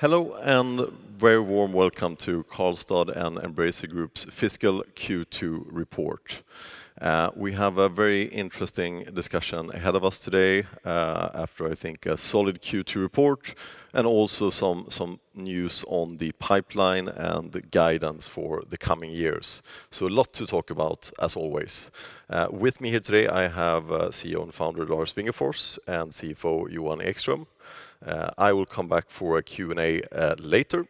Hello and very warm welcome to Karlstad and Embracer Group's fiscal Q2 report. We have a very interesting discussion ahead of us today, after I think a solid Q2 report and also some news on the pipeline and the guidance for the coming years. A lot to talk about as always. With me here today I have CEO and founder Lars Wingefors and CFO Johan Ekström. I will come back for a Q&A later.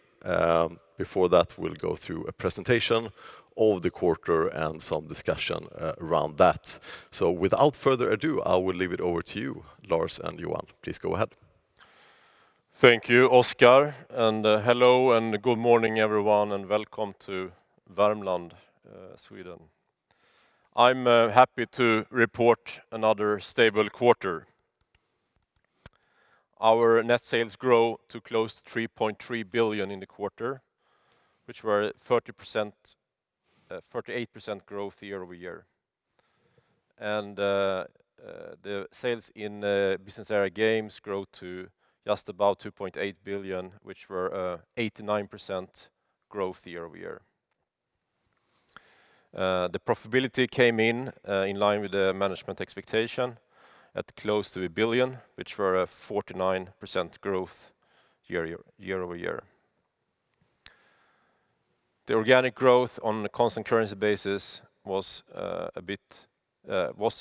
Before that we'll go through a presentation of the quarter and some discussion around that. Without further ado, I will leave it over to you, Lars and Johan. Please go ahead. Thank you, Oscar, and hello and good morning everyone and welcome to Värmland, Sweden. I'm happy to report another stable quarter. Our net sales grow to close to 3.3 billion in the quarter, which were 38% growth year-over-year. The sales in Business Area Games grow to just about 2.8 billion, which were 89% growth year-over-year. The profitability came in in line with the management expectation at close to 1 billion, which were 49% growth year-over-year. The organic growth on a constant currency basis was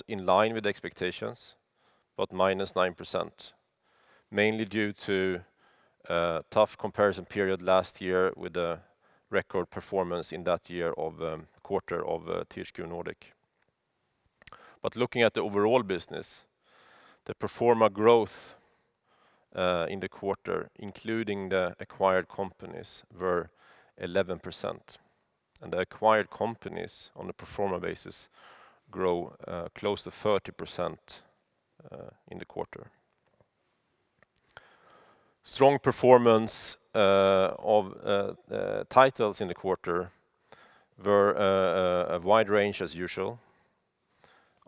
in line with expectations, but -9%, mainly due to a tough comparison period last year with the record performance in the quarter of THQ Nordic. Looking at the overall business, the pro forma growth in the quarter, including the acquired companies, were 11%. The acquired companies on a pro forma basis grow close to 30% in the quarter. Strong performance of titles in the quarter were a wide range as usual.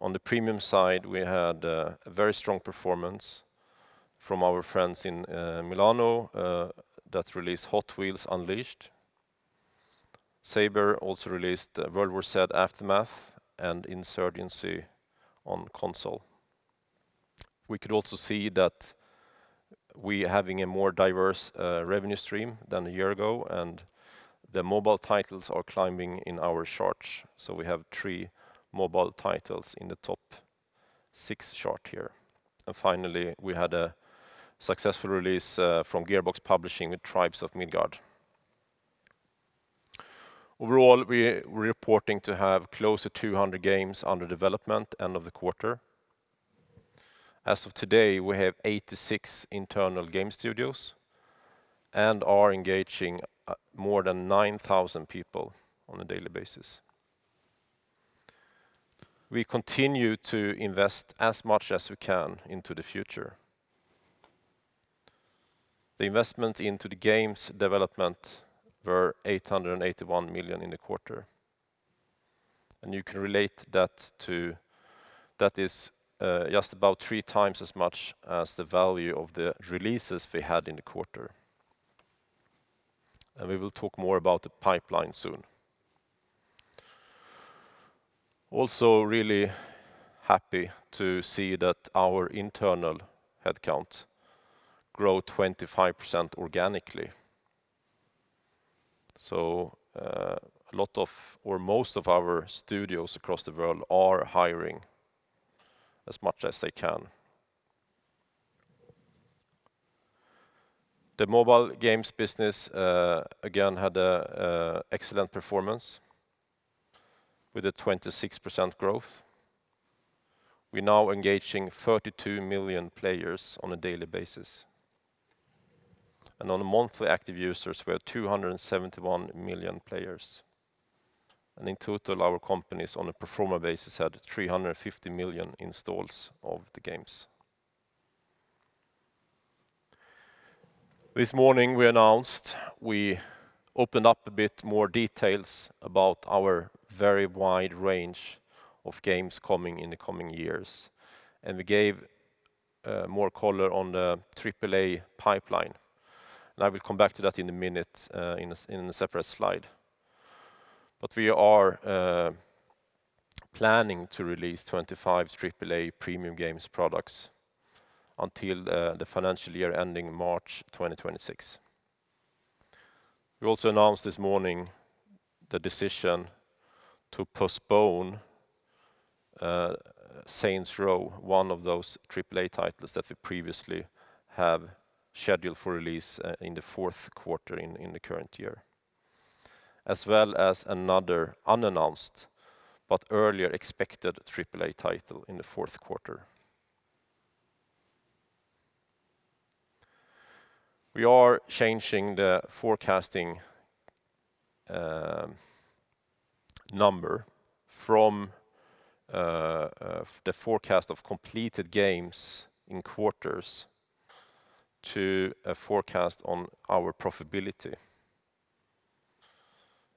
On the premium side, we had a very strong performance from our friends in Milano that released Hot Wheels Unleashed. Saber also released World War Z: Aftermath and Insurgency on console. We could also see that we are having a more diverse revenue stream than a year ago, and the mobile titles are climbing in our charts. We have three mobile titles in the top six chart here. Finally, we had a successful release from Gearbox Publishing with Tribes of Midgard. Overall, we're reporting to have close to 200 games under development end of the quarter. As of today, we have 86 internal game studios and are engaging more than 9,000 people on a daily basis. We continue to invest as much as we can into the future. The investment into the games development were 881 million in the quarter. You can relate that to, that is, just about three times as much as the value of the releases we had in the quarter. We will talk more about the pipeline soon. Also really happy to see that our internal headcount grow 25% organically. A lot of, or most of our studios across the world are hiring as much as they can. The mobile games business again had a excellent performance with a 26% growth. We're now engaging 32 million players on a daily basis. On a monthly active users, we have 271 million players. In total, our companies on a pro forma basis had 350 million installs of the games. This morning we announced we opened up a bit more details about our very wide range of games coming in the coming years. We gave more color on the AAA pipeline. I will come back to that in a minute in a separate slide. We are planning to release 25 AAA premium games products until the financial year ending March 2026. We also announced this morning the decision to postpone Saints Row, one of those AAA titles that we previously have scheduled for release in the fourth quarter in the current year. As well as another unannounced but earlier expected AAA title in the fourth quarter. We are changing the forecasting number from the forecast of completed games in quarters to a forecast on our profitability.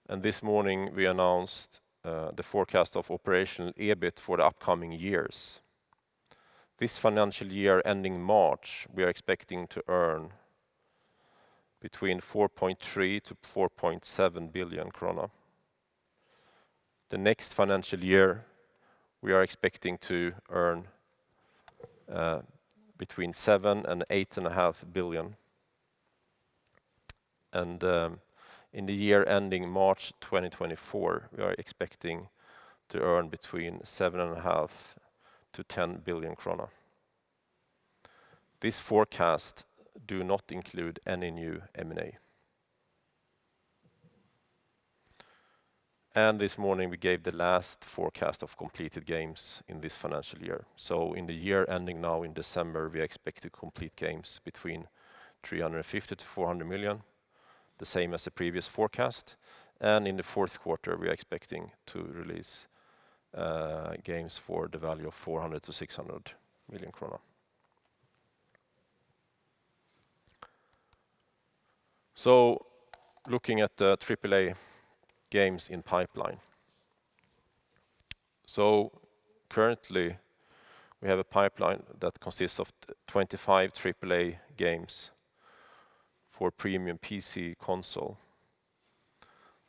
This morning, we announced the forecast of operational EBIT for the upcoming years. This financial year ending March, we are expecting to earn between 4.3 billion-4.7 billion krona. The next financial year, we are expecting to earn between 7 billion and SEK 8.5 billion. In the year ending March 2024, we are expecting to earn between 7.5 billion-10 billion krona. This forecast do not include any new M&A. This morning, we gave the last forecast of completed games in this financial year. In the year ending now in December, we expect to complete games between 350 million and 400 million, the same as the previous forecast. In the fourth quarter, we are expecting to release games for the value of 400 million-600 million krona. Looking at the AAA games in pipeline. Currently, we have a pipeline that consists of 25 AAA games for premium PC and console.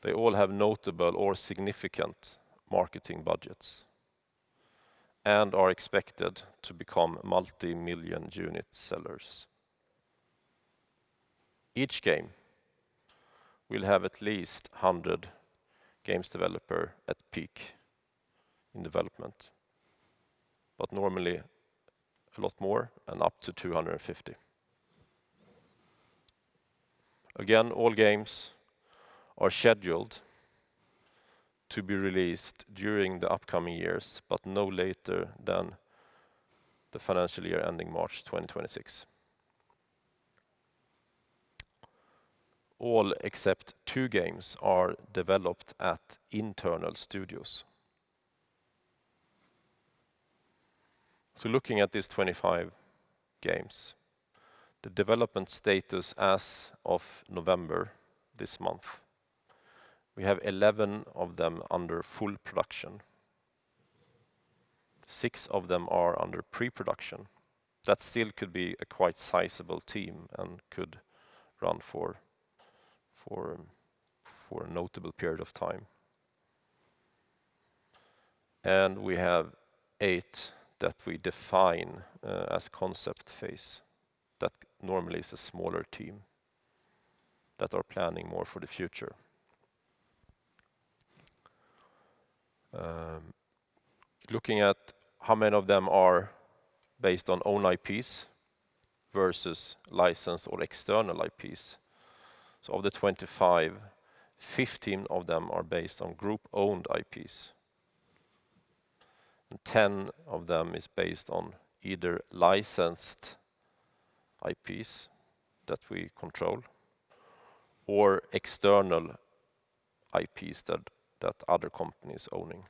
They all have notable or significant marketing budgets and are expected to become multi-million unit sellers. Each game will have at least 100 game developers at peak in development, but normally a lot more and up to 250. Again, all games are scheduled to be released during the upcoming years, but no later than the financial year ending March 2026. All except two games are developed at internal studios. Looking at these 25 games, the development status as of November this month, we have 11 of them under full production. Six of them are under pre-production. That still could be a quite sizable team and could run for a notable period of time. We have eight that we define as concept phase that normally is a smaller team that are planning more for the future. Looking at how many of them are based on own IPs versus licensed or external IPs. Of the 25, 15 of them are based on group-owned IPs, and 10 of them is based on either licensed IPs that we control or external IPs that other companies owning.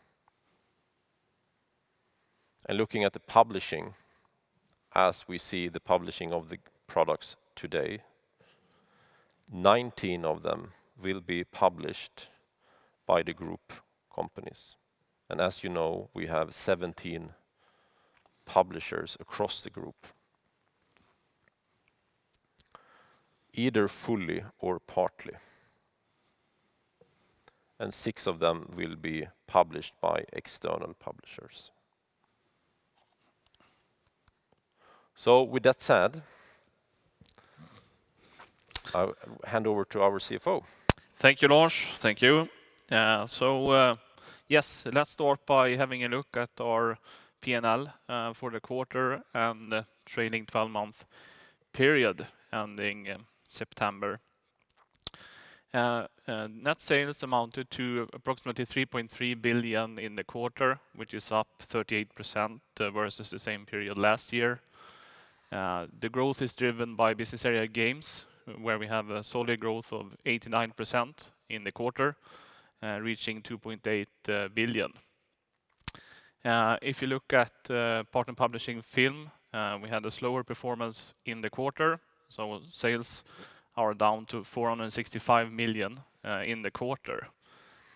Looking at the publishing, as we see the publishing of the products today, 19 of them will be published by the group companies. As you know, we have 17 publishers across the group, either fully or partly, and 6 of them will be published by external publishers. With that said, I'll hand over to our CFO. Thank you, Lars. Thank you. Yes, let's start by having a look at our P&L for the quarter and the trailing 12-month period ending September. Net sales amounted to approximately 3.3 billion in the quarter, which is up 38% versus the same period last year. The growth is driven by Business Area Games, where we have a solid growth of 89% in the quarter, reaching 2.8 billion. If you look at partner publishing film, we had a slower performance in the quarter, so sales are down to 465 million in the quarter.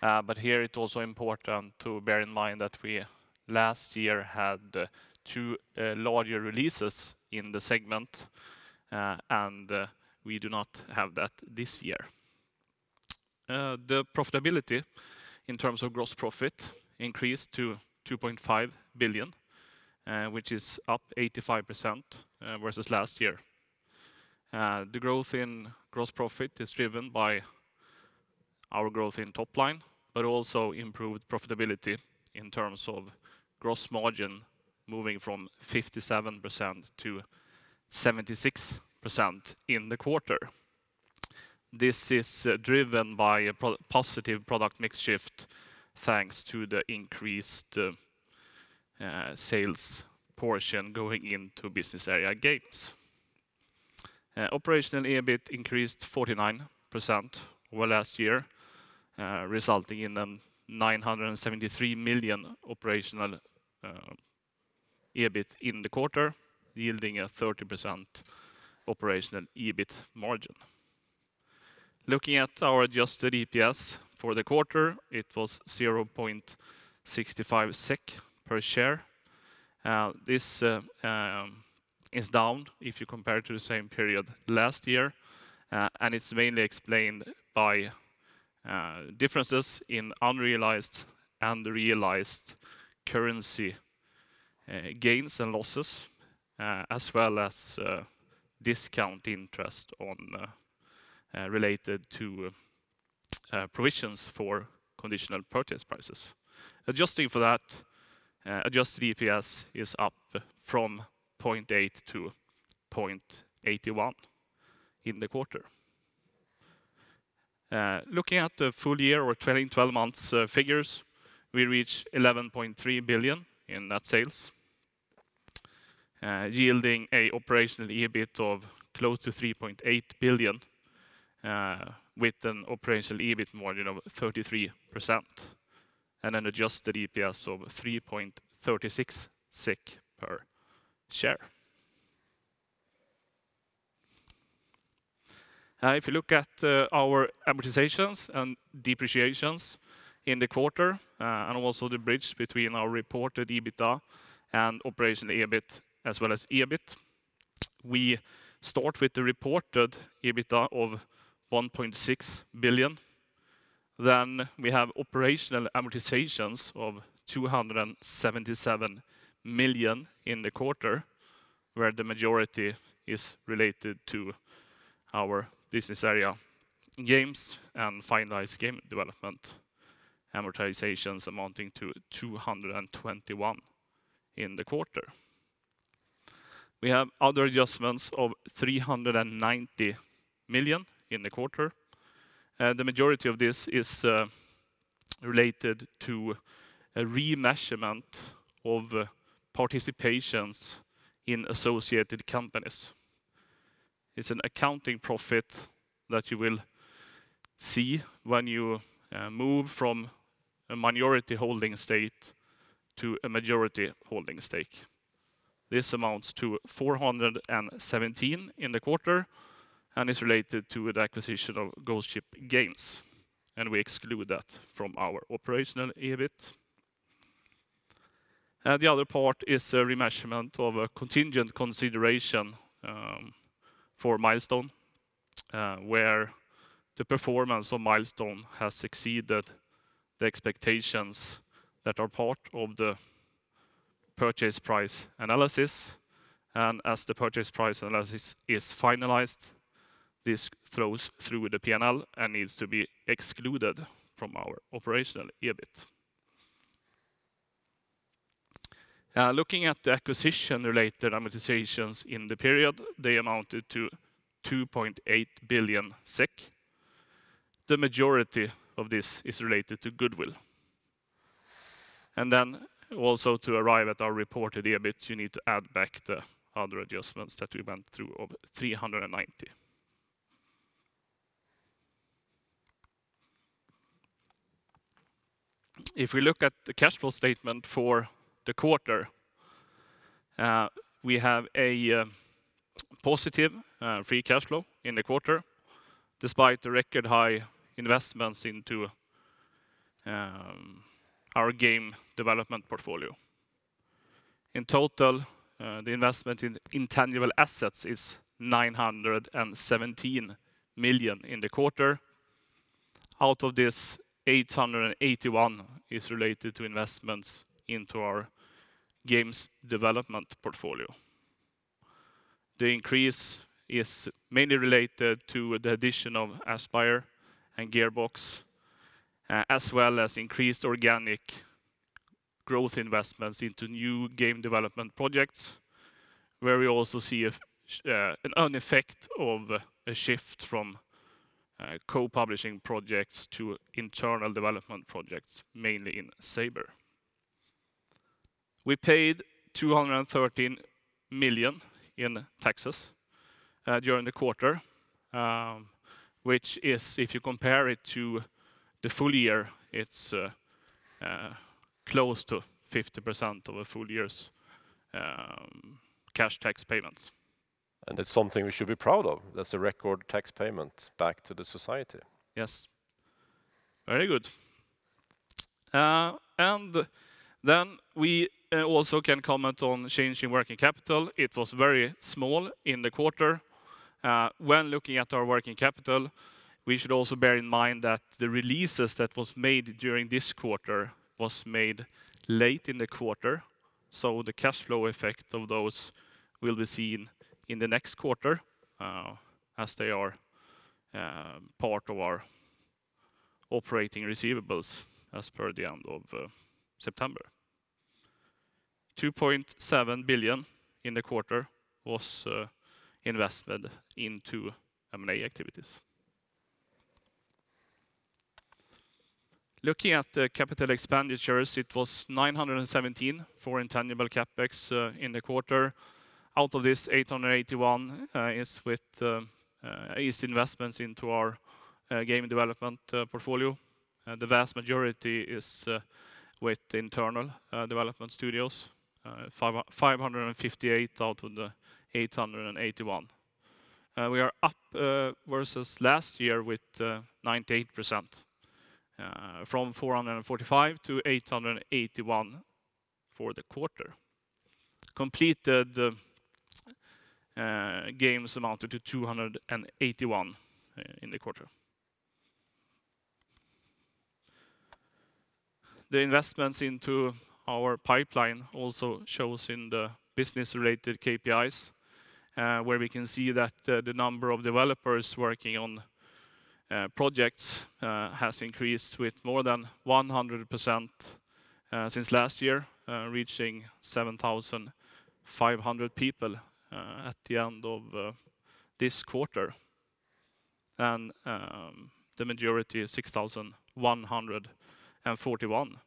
But here it's also important to bear in mind that we last year had two larger releases in the segment, and we do not have that this year. The profitability in terms of gross profit increased to 2.5 billion, which is up 85% versus last year. The growth in gross profit is driven by our growth in top line, but also improved profitability in terms of gross margin moving from 57%-76% in the quarter. This is driven by a positive product mix shift, thanks to the increased sales portion going into business area games. Operational EBIT increased 49% over last year, resulting in 973 million operational EBIT in the quarter, yielding a 30% operational EBIT margin. Looking at our adjusted EPS for the quarter, it was 0.65 SEK per share. This is down if you compare it to the same period last year. It's mainly explained by differences in unrealized and realized currency gains and losses, as well as discount interest related to provisions for conditional purchase prices. Adjusting for that, adjusted EPS is up from 0.8-0.81 in the quarter. Looking at the full year or trailing twelve months figures, we reach 11.3 billion in net sales, yielding a operational EBIT of close to 3.8 billion, with an operational EBIT margin of 33%, and an adjusted EPS of 3.36 SEK per share. If you look at our amortizations and depreciations in the quarter, and also the bridge between our reported EBITDA and operational EBIT as well as EBIT, we start with the reported EBITDA of 1.6 billion. We have operational amortizations of 277 million in the quarter, where the majority is related to our business area Games and finalized game development amortizations amounting to 221 million in the quarter. We have other adjustments of 390 million in the quarter. The majority of this is related to a remeasurement of participations in associated companies. It's an accounting profit that you will see when you move from a minority holding state to a majority holding stake. This amounts to 417 million in the quarter and is related to the acquisition of Ghost Ship Games, and we exclude that from our operational EBIT. The other part is a remeasurement of a contingent consideration for Milestone, where the performance of Milestone has exceeded the expectations that are part of the purchase price analysis. As the purchase price analysis is finalized, this flows through the P&L and needs to be excluded from our operational EBIT. Looking at the acquisition-related amortizations in the period, they amounted to 2.8 billion SEK. The majority of this is related to goodwill. To arrive at our reported EBIT, you need to add back the other adjustments that we went through of 390 million. If we look at the cash flow statement for the quarter, we have a positive free cash flow in the quarter despite the record-high investments into our game development portfolio. In total, the investment in intangible assets is 917 million in the quarter. Out of this, 881 million is related to investments into our games development portfolio. The increase is mainly related to the addition of Aspyr and Gearbox, as well as increased organic growth investments into new game development projects, where we also see an own effect of a shift from co-publishing projects to internal development projects, mainly in Saber. We paid 213 million in taxes during the quarter, which is if you compare it to the full year, it's close to 50% of a full year's cash tax payments. It's something we should be proud of. That's a record tax payment back to the society. Yes. Very good. We also can comment on change in working capital. It was very small in the quarter. When looking at our working capital, we should also bear in mind that the releases that was made during this quarter late in the quarter, so the cash flow effect of those will be seen in the next quarter, as they are part of our operating receivables as per the end of September. 2.7 billion in the quarter was invested into M&A activities. Looking at the capital expenditures, it was 917 million for intangible CapEx in the quarter. Out of this, 881 million is investments into our game development portfolio. The vast majority is with internal development studios. 558 out of the 881. We are up versus last year with 98% from 445-881 for the quarter. Completed games amounted to 281 in the quarter. The investments into our pipeline also shows in the business-related KPIs, where we can see that the number of developers working on projects has increased with more than 100% since last year, reaching 7,500 people at the end of this quarter. The majority, 6,141,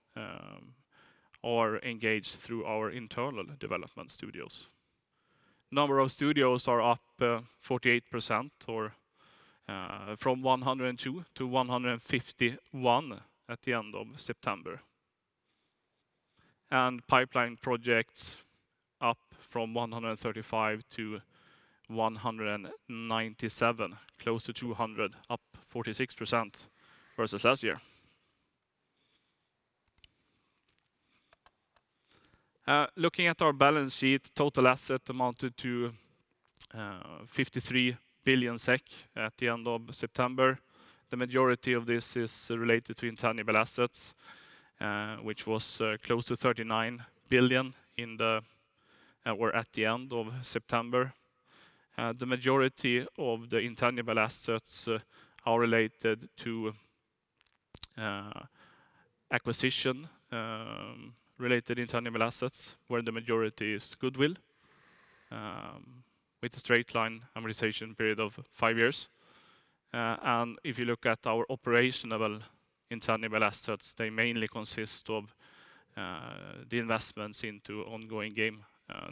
are engaged through our internal development studios. Number of studios are up 48% or from 102-151 at the end of September. Pipeline projects up from 135-197, close to 200, up 46% versus last year. Looking at our balance sheet, total assets amounted to 53 billion SEK at the end of September. The majority of this is related to intangible assets, which were close to 39 billion at the end of September. The majority of the intangible assets are related to acquisition-related intangible assets, where the majority is goodwill with a straight-line amortization period of five years. If you look at our operational intangible assets, they mainly consist of the investments into ongoing game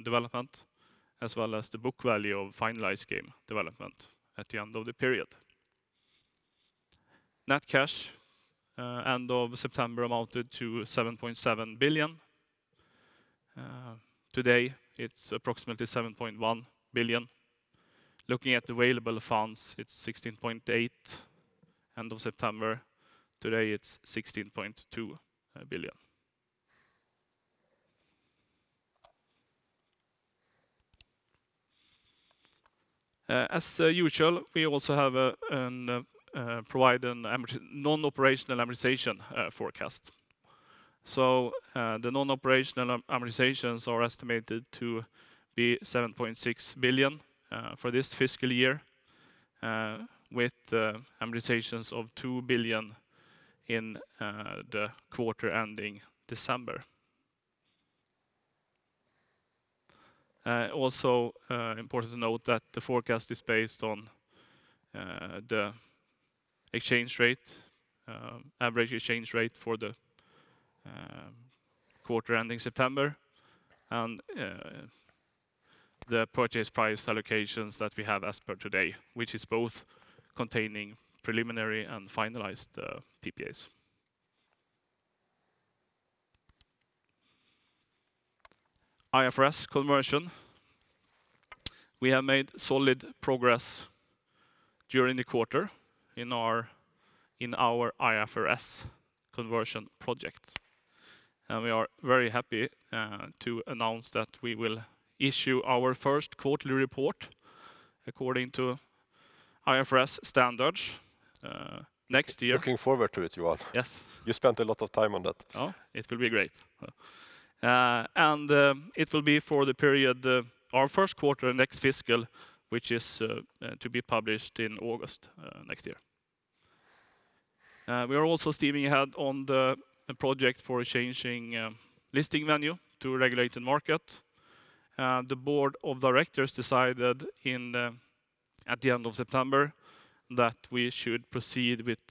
development, as well as the book value of finalized game development at the end of the period. Net cash at end of September amounted to 7.7 billion. Today, it's approximately 7.1 billion. Looking at available funds, it's 16.8 billion end of September. Today, it's 16.2 billion. As usual, we also provide a non-operational amortization forecast. The non-operational amortizations are estimated to be 7.6 billion for this fiscal year, with amortizations of 2 billion in the quarter ending December. Also, important to note that the forecast is based on the average exchange rate for the quarter ending September, and the purchase price allocations that we have as per today, which both contain preliminary and finalized PPAs. IFRS conversion. We have made solid progress during the quarter in our IFRS conversion project. We are very happy to announce that we will issue our first quarterly report according to IFRS standards next year. Looking forward to it, Johan. Yes. You spent a lot of time on that. It will be great. It will be for the period, our first quarter next fiscal, which is to be published in August next year. We are also steaming ahead on the project for changing listing venue to a regulated market. The board of directors decided at the end of September that we should proceed with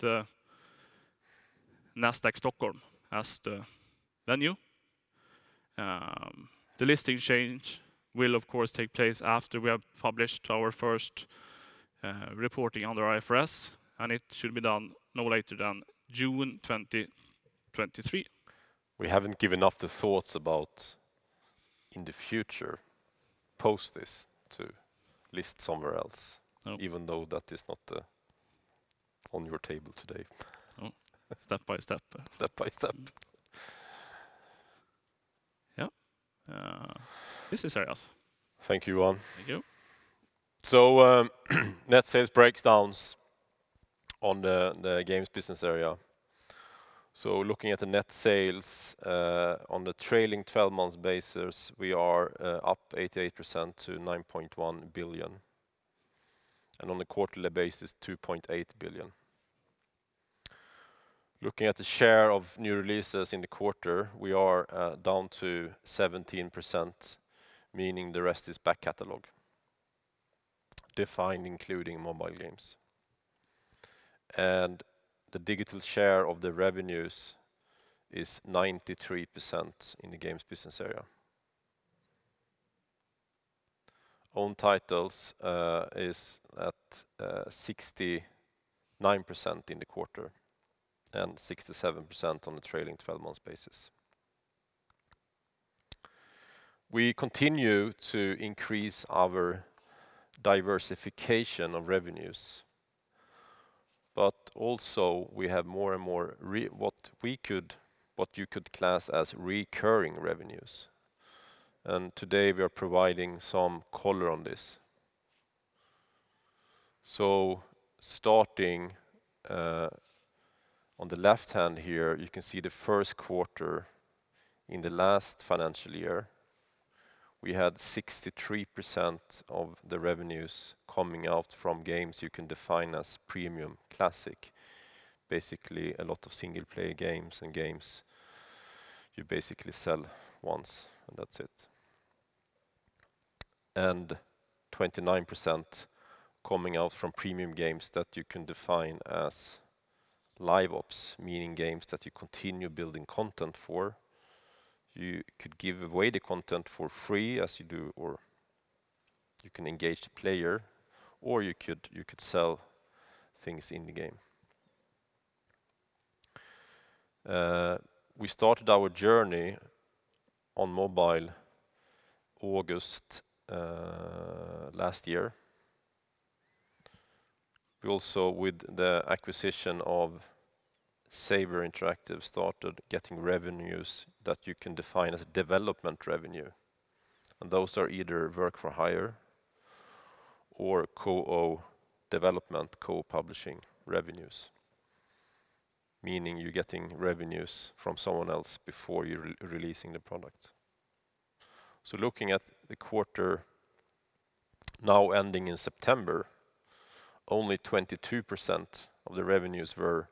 Nasdaq Stockholm as the venue. The listing change will of course take place after we have published our first reporting under IFRS, and it should be done no later than June 2023. We haven't given up the thoughts about, in the future, post this, to list somewhere else. No. Even though that is not on your table today. No. Step by step. Step by step. Yeah. Business areas. Thank you, Johan. Thank you. Net sales breakdowns on the games business area. Looking at the net sales on the trailing twelve months basis, we are up 88% to 9.1 billion. On a quarterly basis, 2.8 billion. Looking at the share of new releases in the quarter, we are down to 17%, meaning the rest is back catalog, defined including mobile games. The digital share of the revenues is 93% in the games business area. Own titles is at 69% in the quarter and 67% on a trailing twelve months basis. We continue to increase our diversification of revenues, but also we have more and more what you could class as recurring revenues. Today, we are providing some color on this. Starting on the left hand here, you can see the first quarter in the last financial year, we had 63% of the revenues coming out from games you can define as premium classic. Basically, a lot of single-player games and games you basically sell once, and that's it. 29% coming out from premium games that you can define as live ops, meaning games that you continue building content for. You could give away the content for free as you do, or you can engage the player, or you could sell things in the game. We started our journey on mobile in August last year. We also, with the acquisition of Saber Interactive, started getting revenues that you can define as development revenue. Those are either work for hire or co-development, co-publishing revenues, meaning you're getting revenues from someone else before you're re-releasing the product. Looking at the quarter now ending in September, only 22% of the revenues were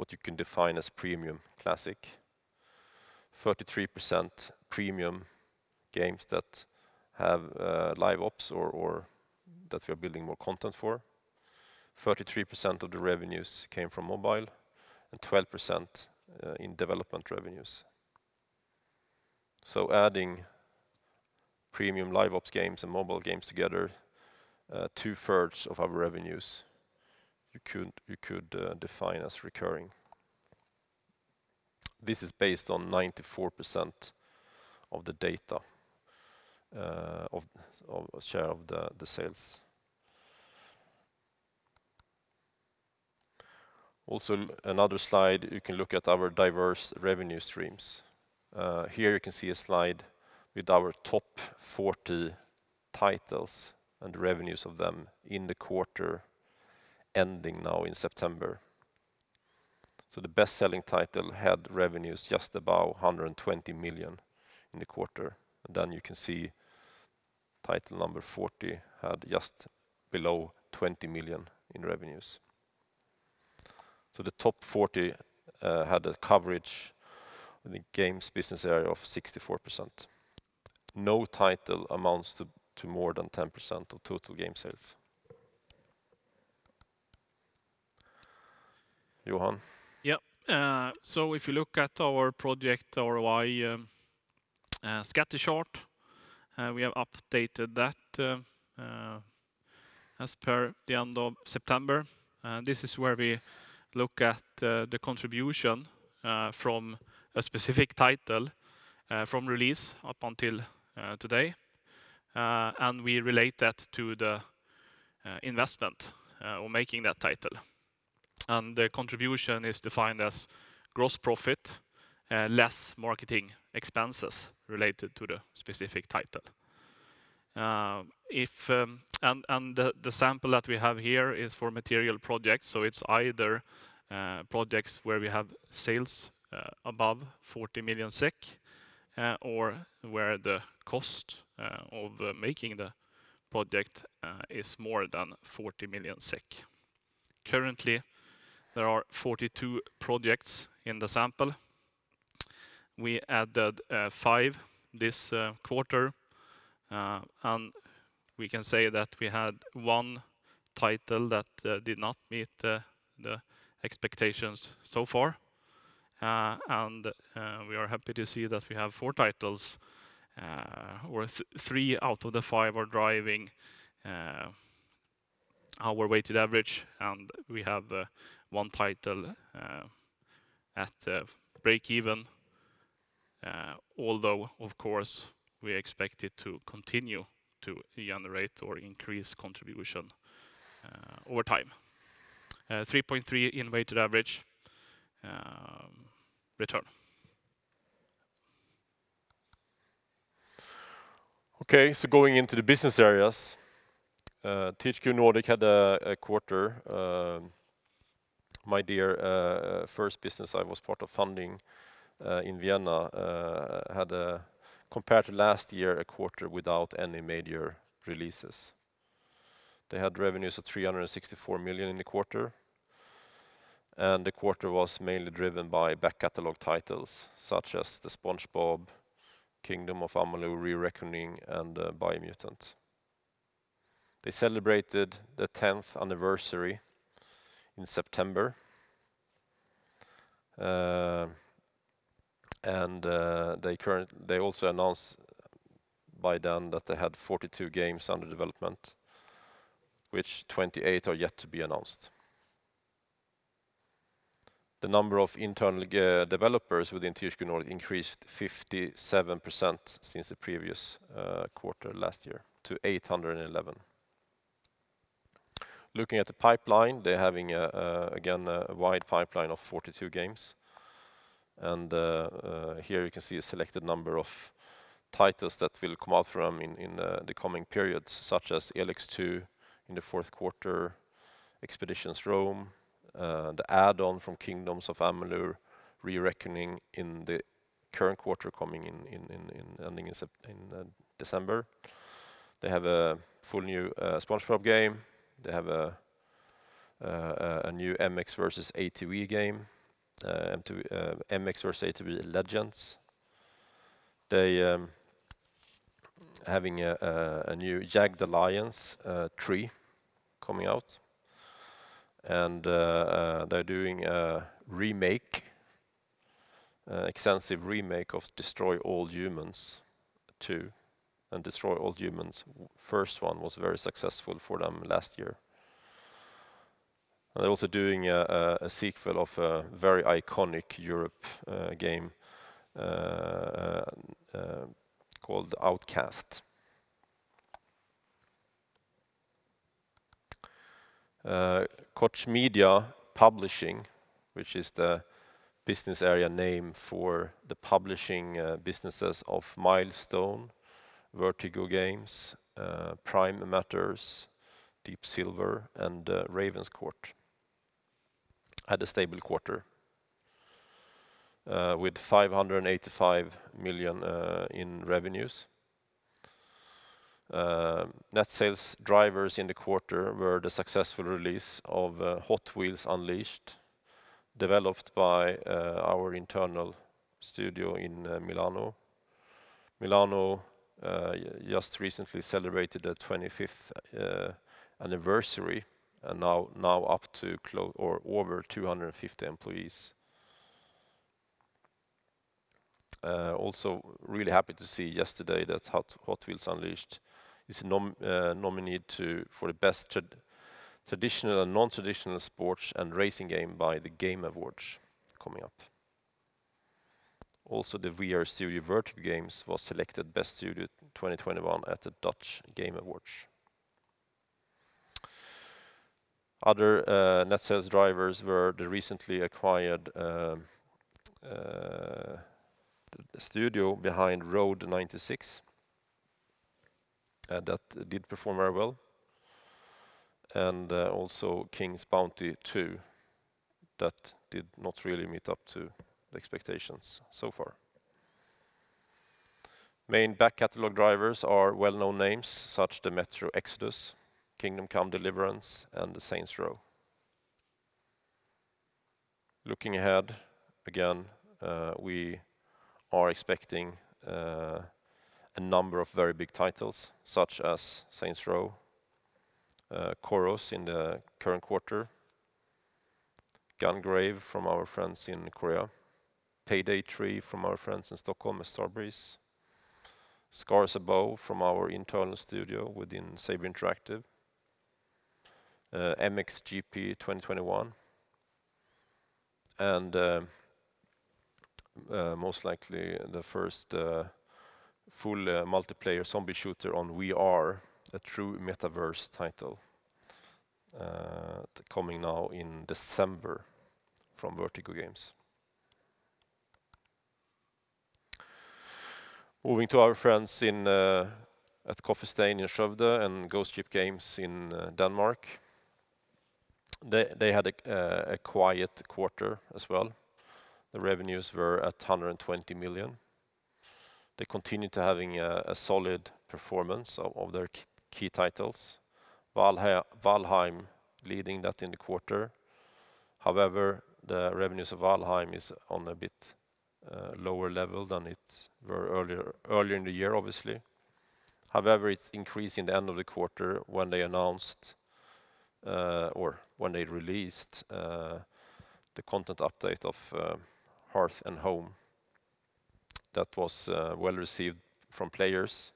what you can define as premium classic. 33% premium games that have live ops or that we are building more content for. 33% of the revenues came from mobile and 12% in development revenues. Adding premium live ops games and mobile games together, two-thirds of our revenues you could define as recurring. This is based on 94% of the data of share of the sales. Another slide, you can look at our diverse revenue streams. Here you can see a slide with our top 40 titles and revenues of them in the quarter ending now in September. The best-selling title had revenues just above 120 million in the quarter. You can see title number 40 had just below 20 million in revenues. The top 40 had a coverage in the games business area of 64%. No title amounts to more than 10% of total game sales. Johan. Yeah. If you look at our project ROI scatter chart, we have updated that as per the end of September. This is where we look at the contribution from a specific title from release up until today. We relate that to the investment or making that title. The contribution is defined as gross profit less marketing expenses related to the specific title. The sample that we have here is for material projects, so it's either projects where we have sales above 40 million SEK or where the cost of making the project is more than 40 million SEK. Currently, there are 42 projects in the sample. We added five this quarter, and we can say that we had one title that did not meet the expectations so far. We are happy to see that we have four titles, or three out of the five are driving our weighted average, and we have one title at break even. Although, of course, we expect it to continue to generate or increase contribution over time. 3.3 in weighted average return. Okay, going into the business areas, THQ Nordic had a quarter compared to last year, a quarter without any major releases. They had revenues of 364 million in the quarter. The quarter was mainly driven by back catalog titles such as SpongeBob, Kingdoms of Amalur: Re-Reckoning, and Biomutant. They celebrated the 10th anniversary in September. They also announced by then that they had 42 games under development, which 28 are yet to be announced. The number of internal developers within THQ Nordic increased 57% since the previous quarter last year to 811. Looking at the pipeline, they're having again a wide pipeline of 42 games and here you can see a selected number of titles that will come out from in the coming periods, such as ELEX II in the fourth quarter, Expeditions: Rome, the add-on from Kingdoms of Amalur: Re-Reckoning in the current quarter coming in ending in December. They have a full new SpongeBob game. They have a new MX vs. ATV Legends. They're having a new Jagged Alliance 3 coming out and they're doing a remake, an extensive remake of Destroy All Humans! 2, and Destroy All Humans! first one was very successful for them last year. They're also doing a sequel of a very iconic European game called Outcast. Koch Media Publishing, which is the business area name for the publishing businesses of Milestone, Vertigo Games, Prime Matter, Deep Silver, and Ravenscourt, had a stable quarter with SEK 585 million in revenues. Net sales drivers in the quarter were the successful release of Hot Wheels Unleashed, developed by our internal studio in Milano. Milano just recently celebrated their 25th anniversary and now up to or over 250 employees. Also really happy to see yesterday that Hot Wheels Unleashed is nominated for the best traditional and non-traditional sports and racing game by the Game Awards coming up. The VR studio Vertigo Games was selected as Best Studio 2021 at the Dutch Game Awards. Other net sales drivers were the recently acquired studio behind Road 96, and that did perform very well. Also King's Bounty II that did not really meet up to the expectations so far. Main back catalog drivers are well-known names such as the Metro Exodus, Kingdom Come: Deliverance, and the Saints Row. Looking ahead, again, we are expecting a number of very big titles such as Saints Row, Chorus in the current quarter, Gungrave from our friends in Korea, Payday 3 from our friends in Stockholm at Starbreeze, Scars Above from our internal studio within Saber Interactive, MXGP 2021, and most likely the first full multiplayer zombie shooter on VR, a true metaverse title, coming now in December from Vertigo Games. Moving to our friends at Coffee Stain in Skövde and Ghost Ship Games in Denmark. They had a quiet quarter as well. The revenues were at 120 million. They continued to having a solid performance of their key titles. Valheim leading that in the quarter. However, the revenues of Valheim is on a bit lower level than it were earlier in the year, obviously. However, it increased in the end of the quarter when they released the content update of Hearth & Home. That was well-received from players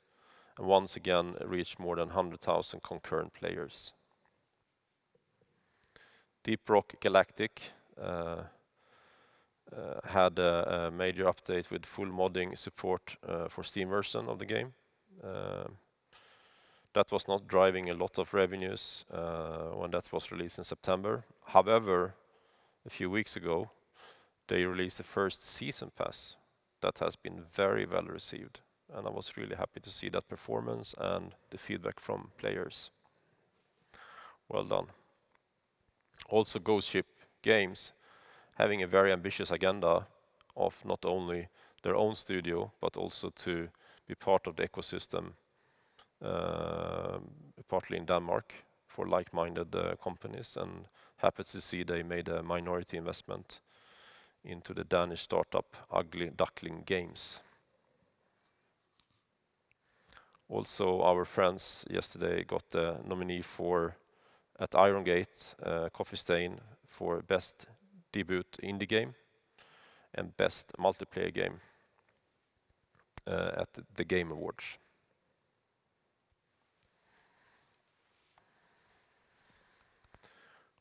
and once again reached more than 100,000 concurrent players. Deep Rock Galactic had a major update with full modding support for Steam version of the game. That was not driving a lot of revenues when that was released in September. However, a few weeks ago, they released the first season pass that has been very well-received, and I was really happy to see that performance and the feedback from players. Well done. Ghost Ship Games having a very ambitious agenda of not only their own studio, but also to be part of the ecosystem, partly in Denmark for like-minded companies and happy to see they made a minority investment into the Danish startup Ugly Duckling Games. Our friends at Iron Gate, Coffee Stain got a nomination for Best Debut Indie Game and Best Multiplayer Game at The Game Awards.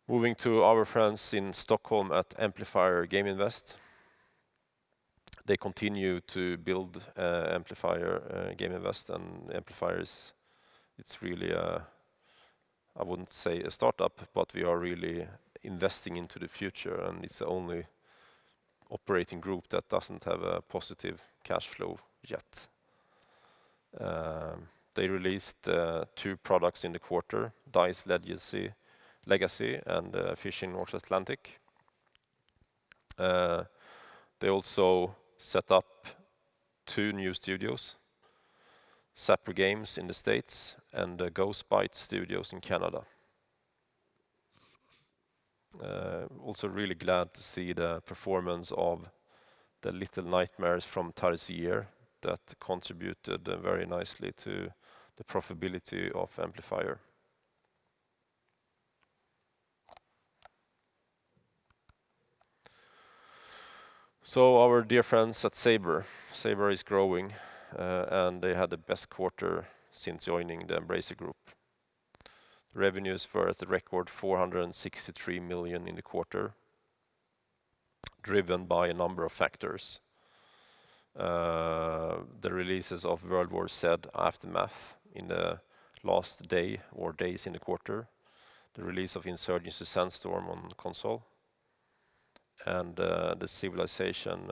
Moving to our friends in Stockholm at Amplifier Game Invest, they continue to build Amplifier Game Invest, and Amplifier. It's really a, I wouldn't say a startup, but we are really investing into the future, and it's the only operating group that doesn't have a positive cash flow yet. They released two products in the quarter, Dice Legacy and Fishing: North Atlantic. They also set up two new studios, Sapry Games in the States and Goose Byte Studios in Canada. Also really glad to see the performance of the Little Nightmares from Tarsier that contributed very nicely to the profitability of Amplifier. Our dear friends at Saber. Saber is growing, and they had the best quarter since joining the Embracer Group. Revenues were at the record 463 million in the quarter, driven by a number of factors. The releases of World War Z: Aftermath in the last day or days in the quarter, the release of Insurgency: Sandstorm on console, and the Civilization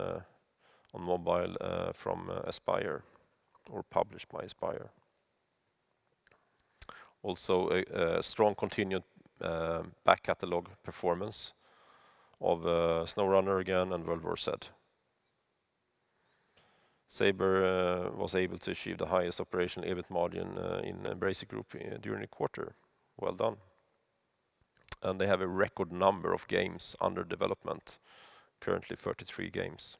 on mobile from Aspyr or published by Aspyr. Also a strong continued back catalog performance of SnowRunner again and World War Z. Saber was able to achieve the highest operational EBIT margin in Embracer Group during the quarter. Well done. They have a record number of games under development, currently 33 games.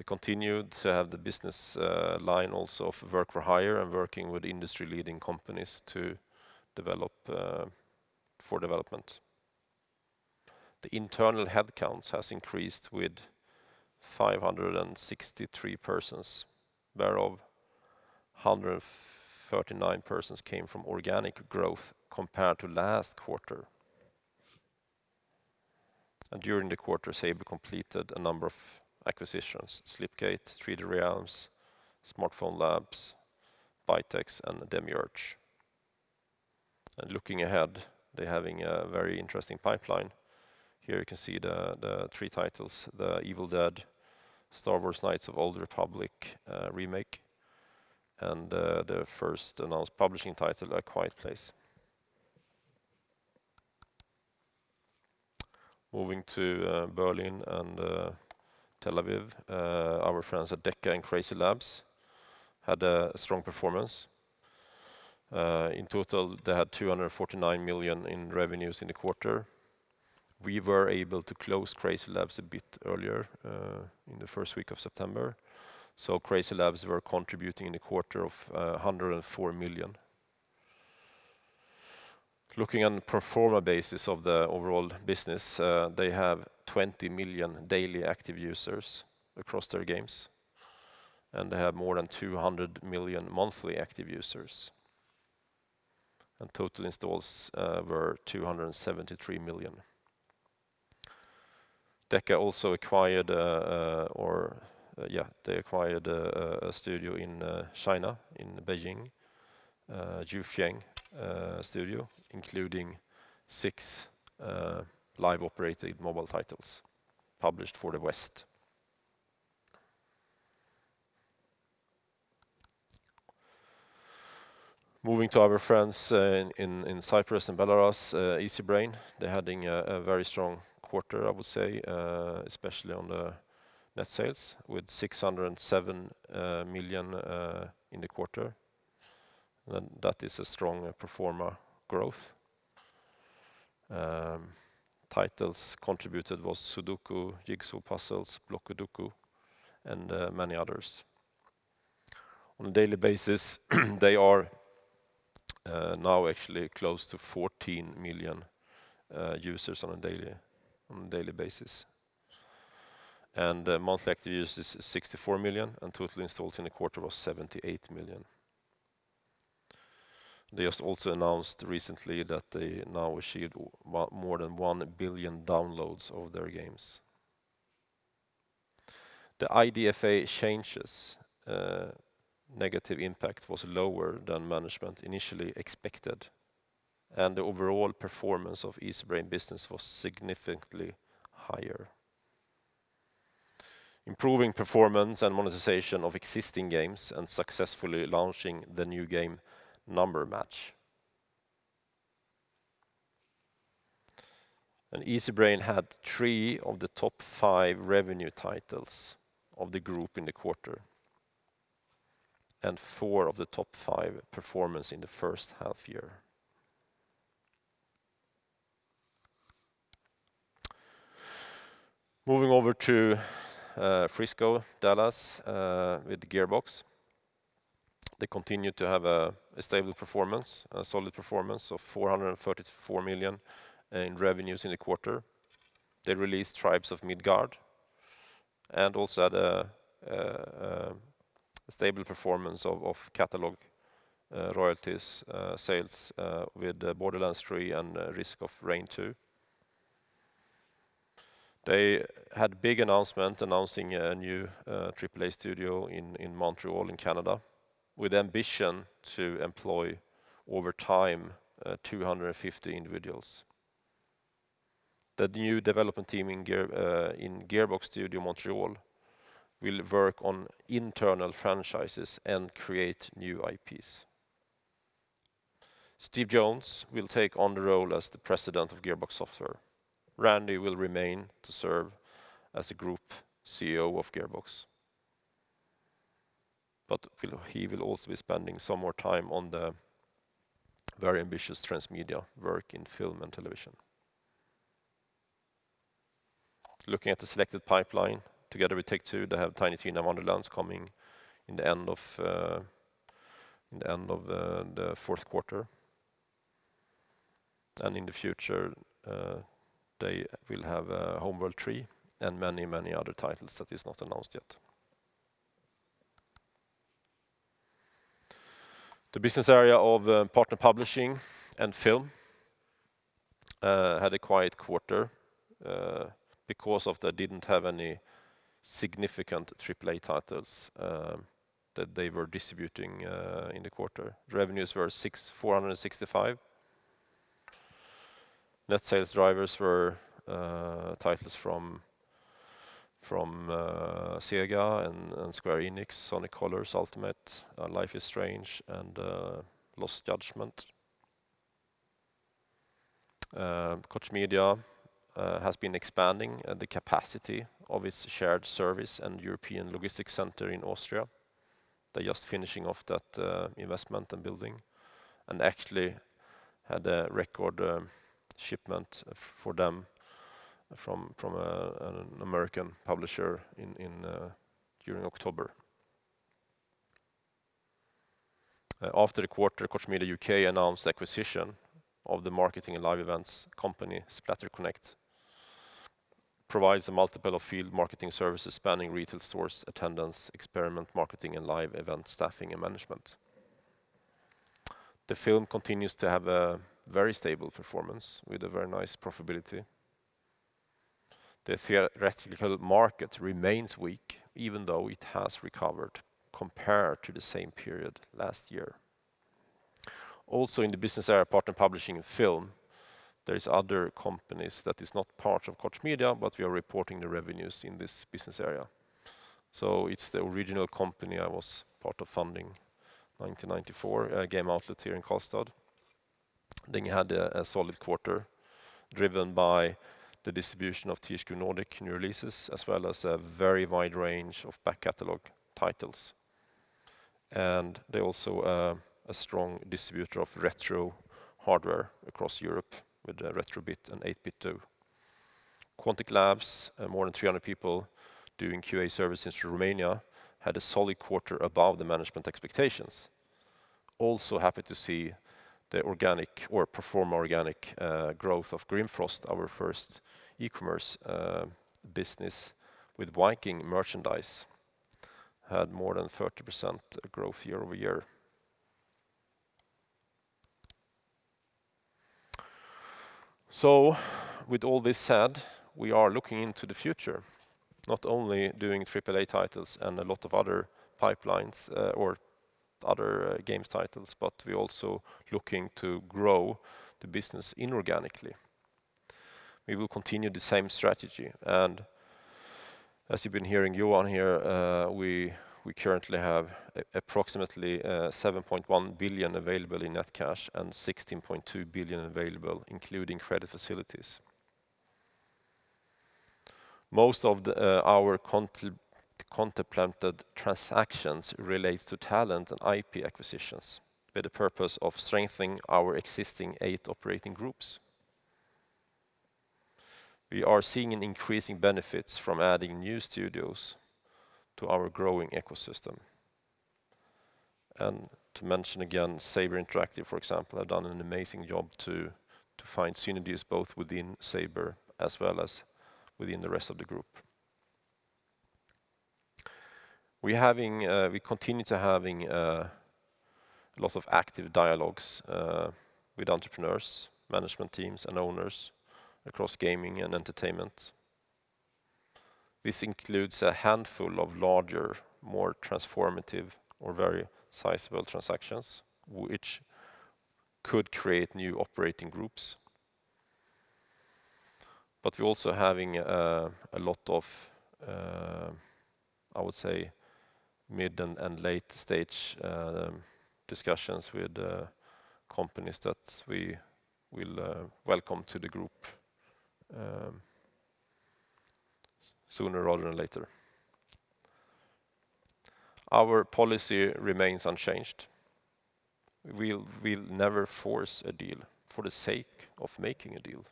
They continued to have the business line also of work for hire and working with industry-leading companies to develop for development. The internal headcounts has increased with 563 persons, whereof 139 persons came from organic growth compared to last quarter. During the quarter, Saber completed a number of acquisitions, Slipgate Ironworks, 3D Realms, SmartPhone Labs, Bytex, and Demiurge Studios. Looking ahead, they're having a very interesting pipeline. Here you can see the three titles, Evil Dead: The Game, Star Wars: Knights of the Old Republic - Remake, and the first announced publishing title, A Quiet Place: The Road Ahead. Moving to Berlin and Tel Aviv, our friends at DECA and CrazyLabs had a strong performance. In total, they had 249 million in revenues in the quarter. We were able to close CrazyLabs a bit earlier in the first week of September, so CrazyLabs were contributing in a quarter of 104 million. Looking on the pro forma basis of the overall business, they have 20 million daily active users across their games, and they have more than 200 million monthly active users. Total installs were 273 million. DECA also acquired a studio in China, in Beijing, Jufeng Studio, including six live-operated mobile titles published for the West. Moving to our friends in Cyprus and Belarus, Easybrain, they're having a very strong quarter, I would say, especially on the net sales with 607 million in the quarter. That is a strong pro forma growth. Titles contributed was Sudoku, Jigsaw Puzzles, Blockudoku, and many others. On a daily basis, they are now actually close to 14 million users on a daily basis. Monthly active users is 64 million, and total installs in the quarter was 78 million. They just also announced recently that they now achieved more than 1 billion downloads of their games. The IDFA changes negative impact was lower than management initially expected, and the overall performance of Easybrain business was significantly higher. Improving performance and monetization of existing games and successfully launching the new game Number Match. Easybrain had three of the top five revenue titles of the group in the quarter, and four of the top five performance in the first half year. Moving over to Frisco, Dallas, with Gearbox. They continue to have a stable performance, a solid performance of 434 million in revenues in the quarter. They released Tribes of Midgard and also had a stable performance of catalog royalties sales with Borderlands 3 and Risk of Rain 2. They had big announcement announcing a new AAA studio in Montreal in Canada with ambition to employ over time 250 individuals. The new development team in Gearbox Studio Montréal will work on internal franchises and create new IPs. Steve Jones will take on the role as the President of Gearbox Software. Randy will remain to serve as a Group CEO of Gearbox. He will also be spending some more time on the very ambitious transmedia work in film and television. Looking at the selected pipeline together with Take-Two, they have Tiny Tina's Wonderlands coming in the end of the fourth quarter. In the future, they will have Homeworld 3 and many, many other titles that is not announced yet. The business area of partner publishing and film had a quiet quarter because they didn't have any significant AAA titles that they were distributing in the quarter. Revenues were 465. Net sales drivers were titles from Sega and Square Enix, Sonic Colors: Ultimate, Life is Strange, and Lost Judgment. Koch Media has been expanding the capacity of its shared service and European logistics center in Austria. They're just finishing off that investment and building, and actually had a record shipment for them from an American publisher during October. After the quarter, Koch Media UK announced the acquisition of the marketing and live events company, Splatter Connect provides a multitude of field marketing services spanning retail stores, attendance, experiential marketing, and live event staffing and management. The film continues to have a very stable performance with a very nice profitability. The theatrical market remains weak, even though it has recovered compared to the same period last year. In the business area Partner Publishing and Film, there are other companies that are not part of Koch Media, but we are reporting the revenues in this business area. It's the original company I was part of founding 1994, Game Outlet Europe here in Karlstad. They had a solid quarter driven by the distribution of THQ Nordic new releases, as well as a very wide range of back catalog titles. They also are a strong distributor of retro hardware across Europe with Retro-Bit and 8BitDo. Quantic Labs, more than 300 people doing QA services in Romania, had a solid quarter above the management expectations. Happy to see the organic growth of Grimfrost, our first e-commerce business with Viking merchandise, had more than 30% growth year-over-year. With all this said, we are looking into the future, not only doing AAA titles and a lot of other pipelines, or other, games titles, but we also looking to grow the business inorganically. We will continue the same strategy, and as you've been hearing Johan here, we currently have approximately 7.1 billion available in net cash and 16.2 billion available, including credit facilities. Most of the our contemplated transactions relates to talent and IP acquisitions with the purpose of strengthening our existing eight operating groups. We are seeing an increasing benefits from adding new studios to our growing ecosystem. To mention again, Saber Interactive, for example, have done an amazing job to find synergies both within Saber as well as within the rest of the group. We continue to have lots of active dialogues with entrepreneurs, management teams, and owners across gaming and entertainment. This includes a handful of larger, more transformative or very sizable transactions which could create new operating groups. We're also having a lot of, I would say, mid and late stage discussions with the companies that we will welcome to the group sooner rather than later. Our policy remains unchanged. We'll never force a deal for the sake of making a deal,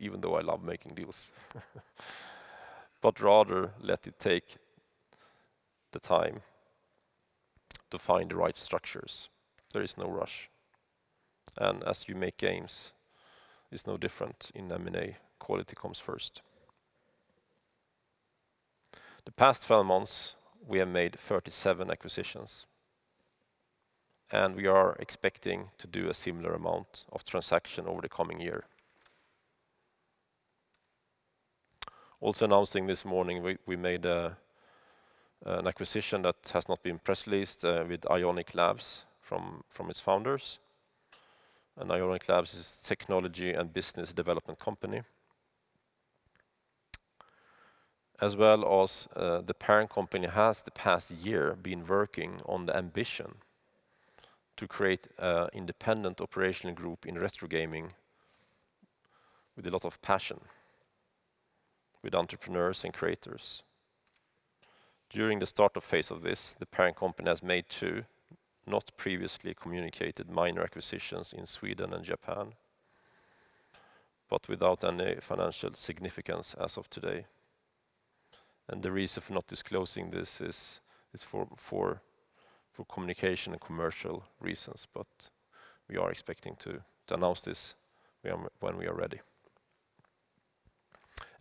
even though I love making deals. Rather let it take the time to find the right structures. There is no rush. As you make games, it's no different in M&A. Quality comes first. The past 12 months, we have made 37 acquisitions, and we are expecting to do a similar amount of transactions over the coming year. Also announcing this morning, we made an acquisition that has not been press released with Ionic Labs from its founders. Ionic Labs is a technology and business development company. As well as, the parent company has the past year been working on the ambition to create an independent operational group in retro gaming with a lot of passion with entrepreneurs and creators. During the start-up phase of this, the parent company has made 2 not previously communicated minor acquisitions in Sweden and Japan, but without any financial significance as of today. The reason for not disclosing this is for communication and commercial reasons, but we are expecting to announce this when we are ready.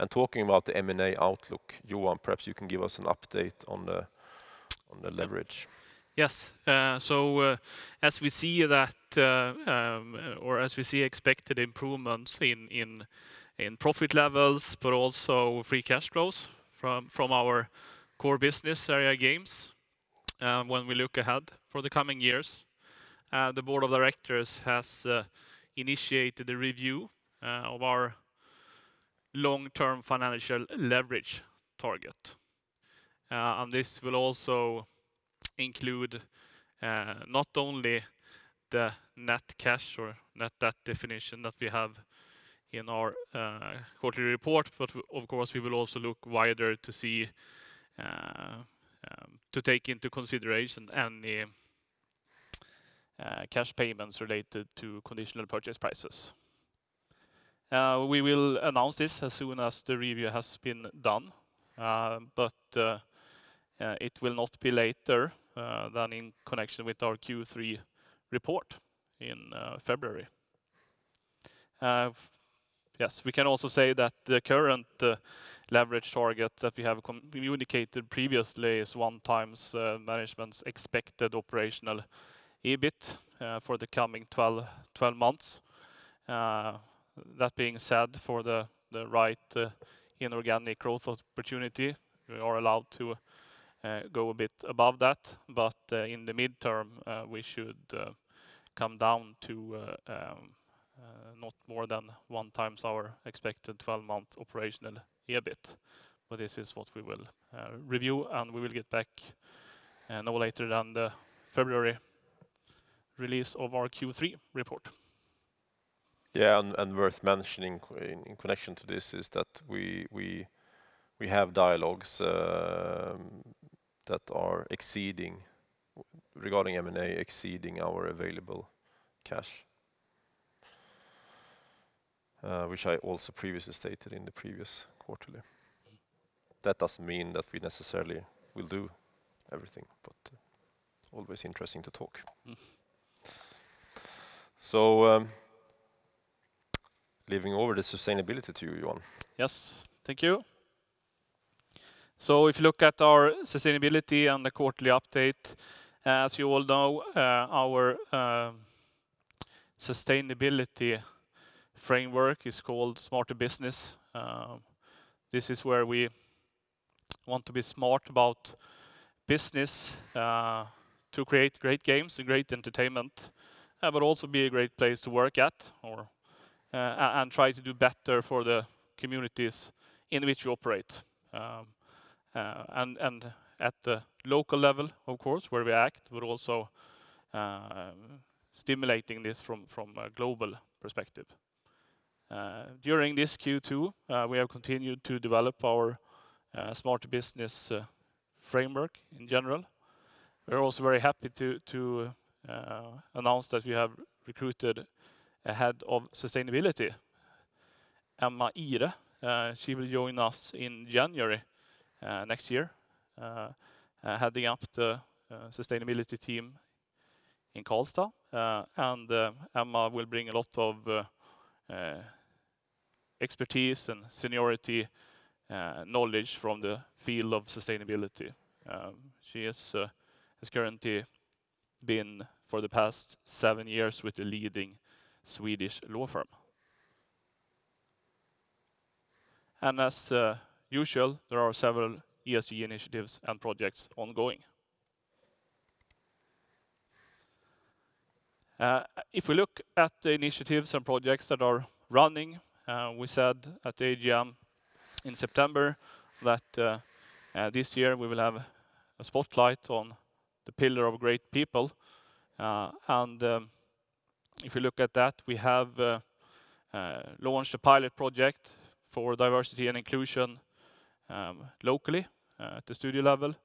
Talking about the M&A outlook, Johan, perhaps you can give us an update on the leverage. Yes. As we see expected improvements in profit levels, but also free cash flows from our core business area games, when we look ahead for the coming years, the board of directors has initiated a review of our long-term financial leverage target. This will also include not only the net cash or net debt definition that we have in our quarterly report, but of course, we will also look wider to take into consideration any cash payments related to conditional purchase prices. We will announce this as soon as the review has been done, it will not be later than in connection with our Q3 report in February. Yes. We can also say that the current leverage target that we have indicated previously is one times management's expected operational EBIT for the coming 12 months. That being said, for the right inorganic growth opportunity, we are allowed to go a bit above that. In the midterm, we should come down to not more than 1 times our expected 12-month operational EBIT. This is what we will review, and we will get back no later than the February release of our Q3 report. Worth mentioning in connection to this is that we have dialogues that are exceeding regarding M&A, exceeding our available cash, which I also previously stated in the previous quarterly. That doesn't mean that we necessarily will do everything, but always interesting to talk. Mm-hmm. Leaving over the sustainability to you, Johan. Yes. Thank you. If you look at our sustainability and the quarterly update, as you all know, our sustainability framework is called Smarter Business. This is where we want to be smart about business to create great games and great entertainment, but also be a great place to work at or and try to do better for the communities in which we operate. At the local level, of course, where we act, but also stimulating this from a global perspective. During this Q2, we have continued to develop our Smarter Business framework in general. We're also very happy to announce that we have recruited a head of sustainability, Emma Ihre. She will join us in January next year, heading up the sustainability team in Karlstad. Emma Ihre will bring a lot of expertise and seniority knowledge from the field of sustainability. She has currently been for the past seven years with a leading Swedish law firm. As usual, there are several ESG initiatives and projects ongoing. If we look at the initiatives and projects that are running, we said at the AGM in September that this year we will have a spotlight on the pillar of great people. If you look at that, we have launched a pilot project for diversity and inclusion, locally, at the studio level.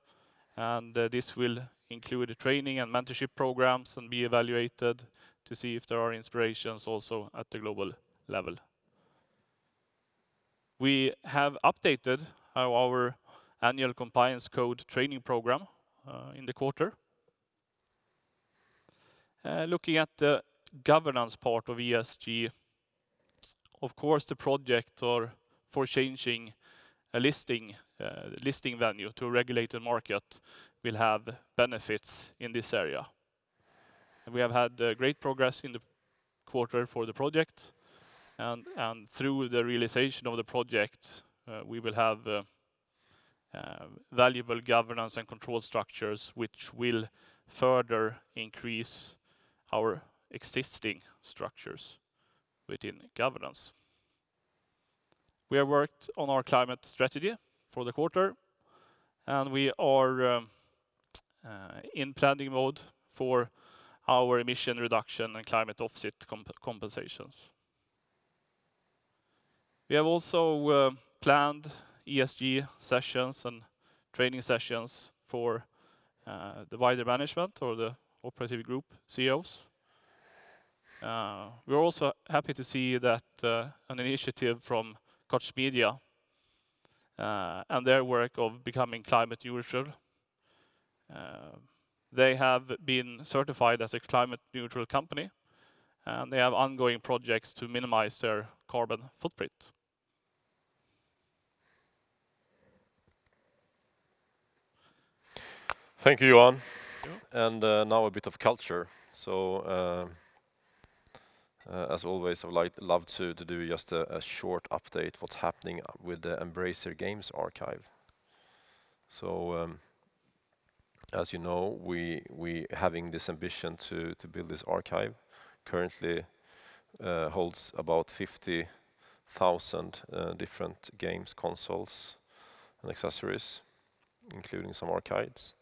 This will include training and mentorship programs and be evaluated to see if there are inspirations also at the global level. We have updated our annual compliance code training program in the quarter. Looking at the governance part of ESG, of course, the project for changing a listing venue to a regulated market will have benefits in this area. We have had great progress in the quarter for the project and through the realization of the project, we will have valuable governance and control structures which will further increase our existing structures within governance. We have worked on our climate strategy for the quarter, and we are in planning mode for our emission reduction and climate offset compensations. We have also planned ESG sessions and training sessions for the wider management or the operative group CEOs. We're also happy to see that an initiative from Koch Media and their work of becoming climate neutral. They have been certified as a climate neutral company, and they have ongoing projects to minimize their carbon footprint. Thank you, Johan. Thank you. Now a bit of culture. As always, I would love to do just a short update what's happening with the Embracer Games Archive. As you know, we having this ambition to build this archive currently holds about 50,000 different games, consoles, and accessories, including some arcades.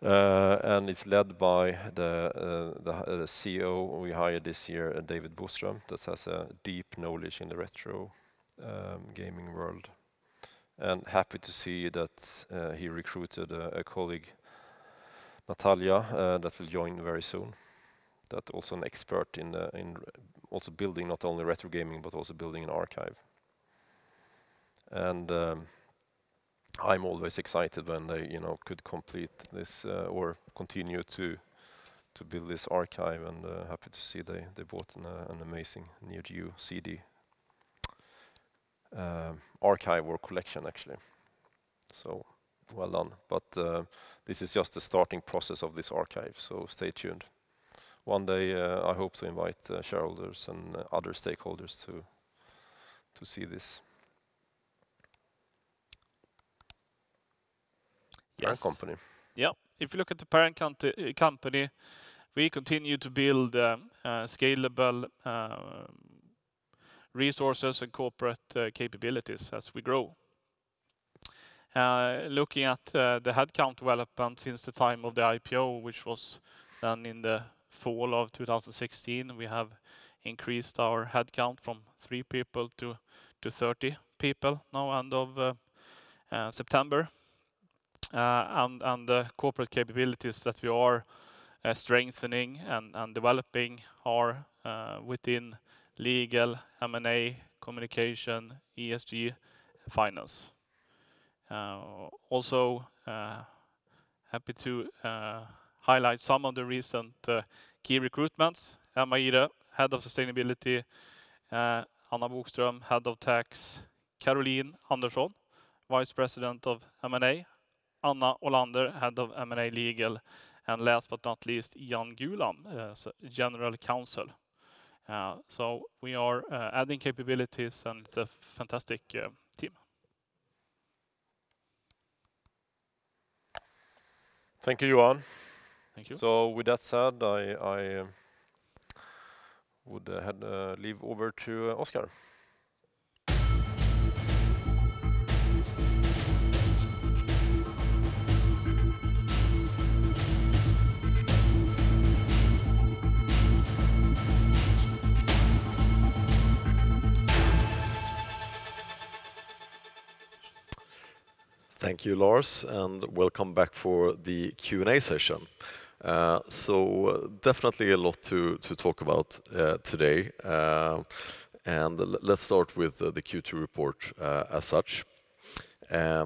It is led by the CEO we hired this year, David Boström, that has a deep knowledge in the retro gaming world. Happy to see that he recruited a colleague, Natalia, that will join very soon. That also an expert in also building not only retro gaming, but also building an archive. I'm always excited when they, you know, could complete this, or continue to build this archive and happy to see they bought an amazing Neo Geo CD archive or collection actually. Well done. This is just the starting process of this archive, so stay tuned. One day, I hope to invite shareholders and other stakeholders to see this. Yes. Parent company. Yeah. If you look at the parent company, we continue to build scalable resources and corporate capabilities as we grow. Looking at the headcount development since the time of the IPO, which was done in the fall of 2016, we have increased our headcount from three people to 30 people now, end of September. The corporate capabilities that we are strengthening and developing are within legal, M&A, communication, ESG, finance. Also happy to highlight some of the recent key recruitments. Emma Ihre, Head of Sustainability, Anna Bokström, Head of Tax, Caroline Andersson, Vice President of M&A, Anna Orlander, Head of M&A Legal, and last but not least, Ian Gulam as General Counsel. We are adding capabilities, and it's a fantastic team. Thank you, Johan. Thank you. With that said, I would hand over to Oscar. Thank you, Lars, and welcome back for the Q&A session. Definitely a lot to talk about today. Let's start with the Q2 report as such. I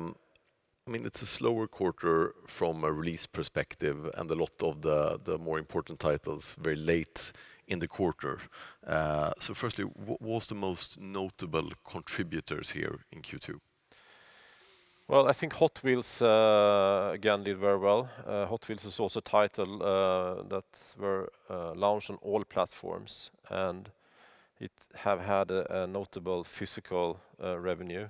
mean, it's a slower quarter from a release perspective, and a lot of the more important titles very late in the quarter. Firstly, what was the most notable contributors here in Q2? Well, I think Hot Wheels again did very well. Hot Wheels is also a title that were launched on all platforms and it have had a notable physical revenue.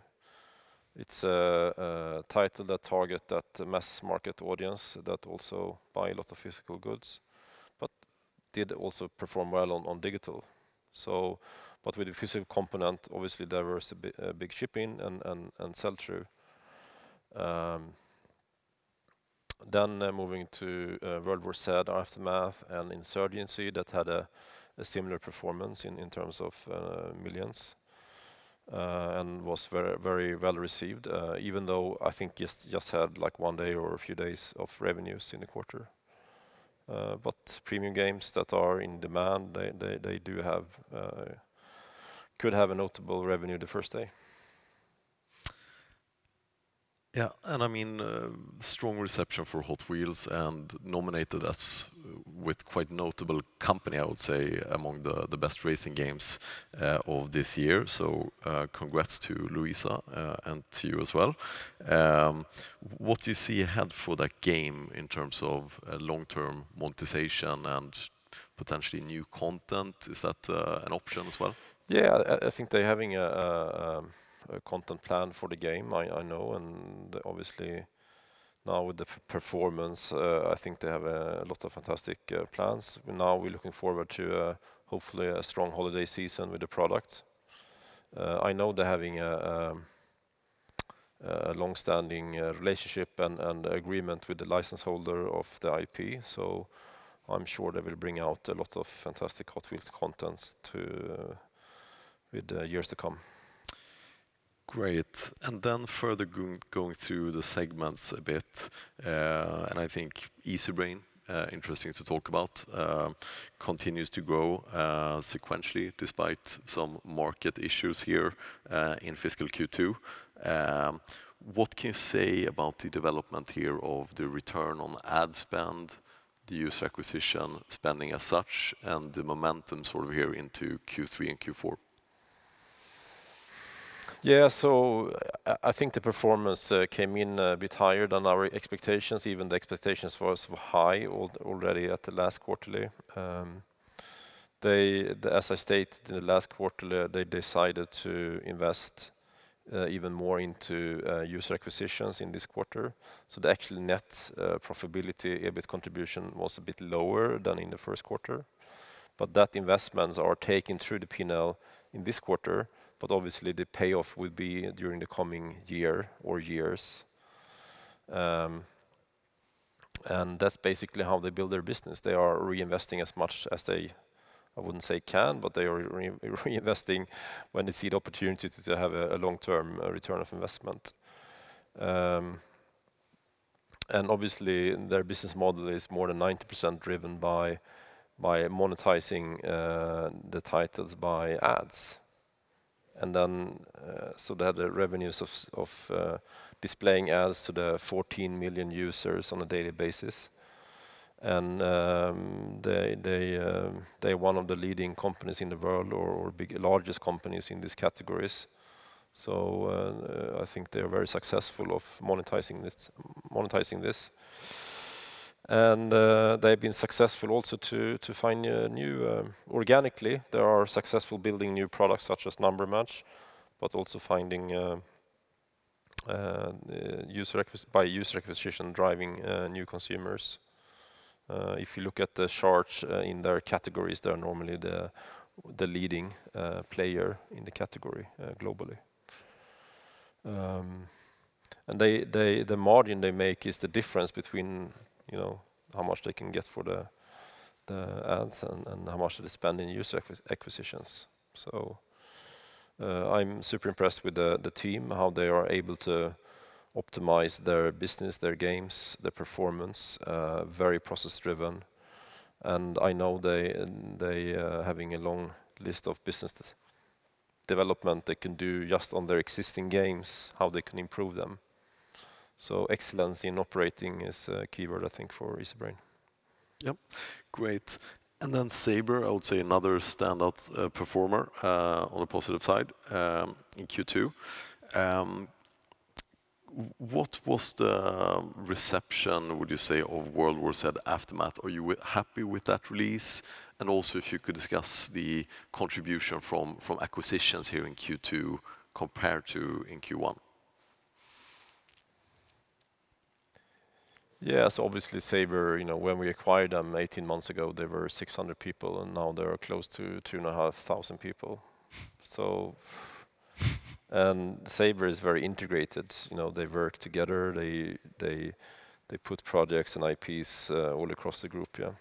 It's a title that target that mass market audience that also buy a lot of physical goods, but did also perform well on digital. But with the physical component, obviously, there was a big shipping and sell-through. Then moving to World War Z: Aftermath and Insurgency that had a similar performance in terms of millions and was very well received, even though I think just had like one day or a few days of revenues in the quarter. But premium games that are in demand, they could have a notable revenue the first day. Yeah. I mean, strong reception for Hot Wheels and nominated us with quite notable company, I would say, among the best racing games of this year. Congrats to Luisa, and to you as well. What do you see ahead for that game in terms of long-term monetization and potentially new content? Is that an option as well? Yeah. I think they're having a content plan for the game. I know, and obviously now with the performance, I think they have a lot of fantastic plans. Now we're looking forward to hopefully a strong holiday season with the product. I know they're having a longstanding relationship and agreement with the license holder of the IP, so I'm sure they will bring out a lot of fantastic Hot Wheels content with years to come. Great. Further going through the segments a bit, and I think Easybrain interesting to talk about, continues to grow sequentially despite some market issues here in fiscal Q2. What can you say about the development here of the return on ad spend, the user acquisition spending as such, and the momentum sort of here into Q3 and Q4? Yeah. I think the performance came in a bit higher than our expectations. Even the expectations for us were high already at the last quarterly. As I stated in the last quarterly, they decided to invest even more into user acquisitions in this quarter. The actual net profitability, EBIT contribution was a bit lower than in the first quarter. That investments are taken through the P&L in this quarter, but obviously the payoff will be during the coming year or years. That's basically how they build their business. They are reinvesting as much as they, I wouldn't say can, but they are reinvesting when they see the opportunity to have a long-term return of investment. Obviously, their business model is more than 90% driven by monetizing the titles by ads. They had the revenues of displaying ads to the 14 million users on a daily basis. They are one of the leading companies in the world or largest companies in these categories. I think they are very successful of monetizing this. They have been successful also to find a new organically. They are successful building new products such as Number Match, but also finding by user acquisition, driving new consumers. If you look at the charts in their categories, they are normally the leading player in the category globally. They the margin they make is the difference between, you know, how much they can get for the ads and how much they spend in user acquisitions. I'm super impressed with the team, how they are able to optimize their business, their games, their performance, very process-driven. I know they having a long list of business development they can do just on their existing games, how they can improve them. Excellence in operating is a keyword, I think, for Easybrain. Yep. Great. Saber, I would say another standout performer on the positive side in Q2. What was the reception, would you say, of World War Z: Aftermath? Are you happy with that release? Also if you could discuss the contribution from acquisitions here in Q2 compared to in Q1. Yes. Obviously, Saber, you know, when we acquired them 18 months ago, they were 600 people, and now they are close to 2,500 people. Saber is very integrated. You know, they work together. They put projects and IPs all across the group. Yeah.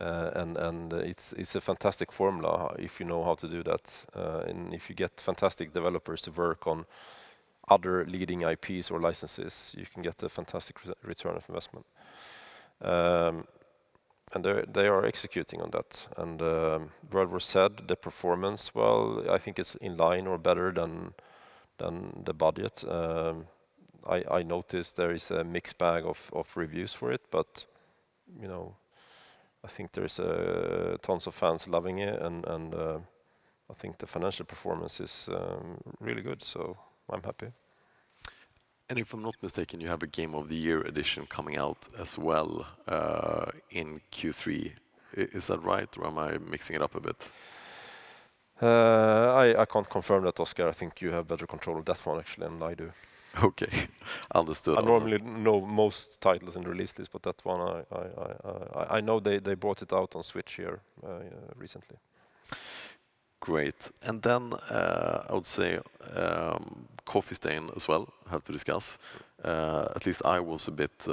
And it's a fantastic formula if you know how to do that. And if you get fantastic developers to work on other leading IPs or licenses, you can get a fantastic return on investment. And they are executing on that. World War Z, the performance, well, I think it's in line or better than the budget. I noticed there is a mixed bag of reviews for it, but, you know, I think there is tons of fans loving it and I think the financial performance is really good, so I'm happy. If I'm not mistaken, you have a Game of the Year edition coming out as well, in Q3. Is that right, or am I mixing it up a bit? I can't confirm that, Oscar. I think you have better control of that one actually than I do. Okay. Understood. I normally know most titles in the release list, but that one I know they brought it out on Switch here recently. Great. I would say, Coffee Stain as well have to discuss. At least I was a bit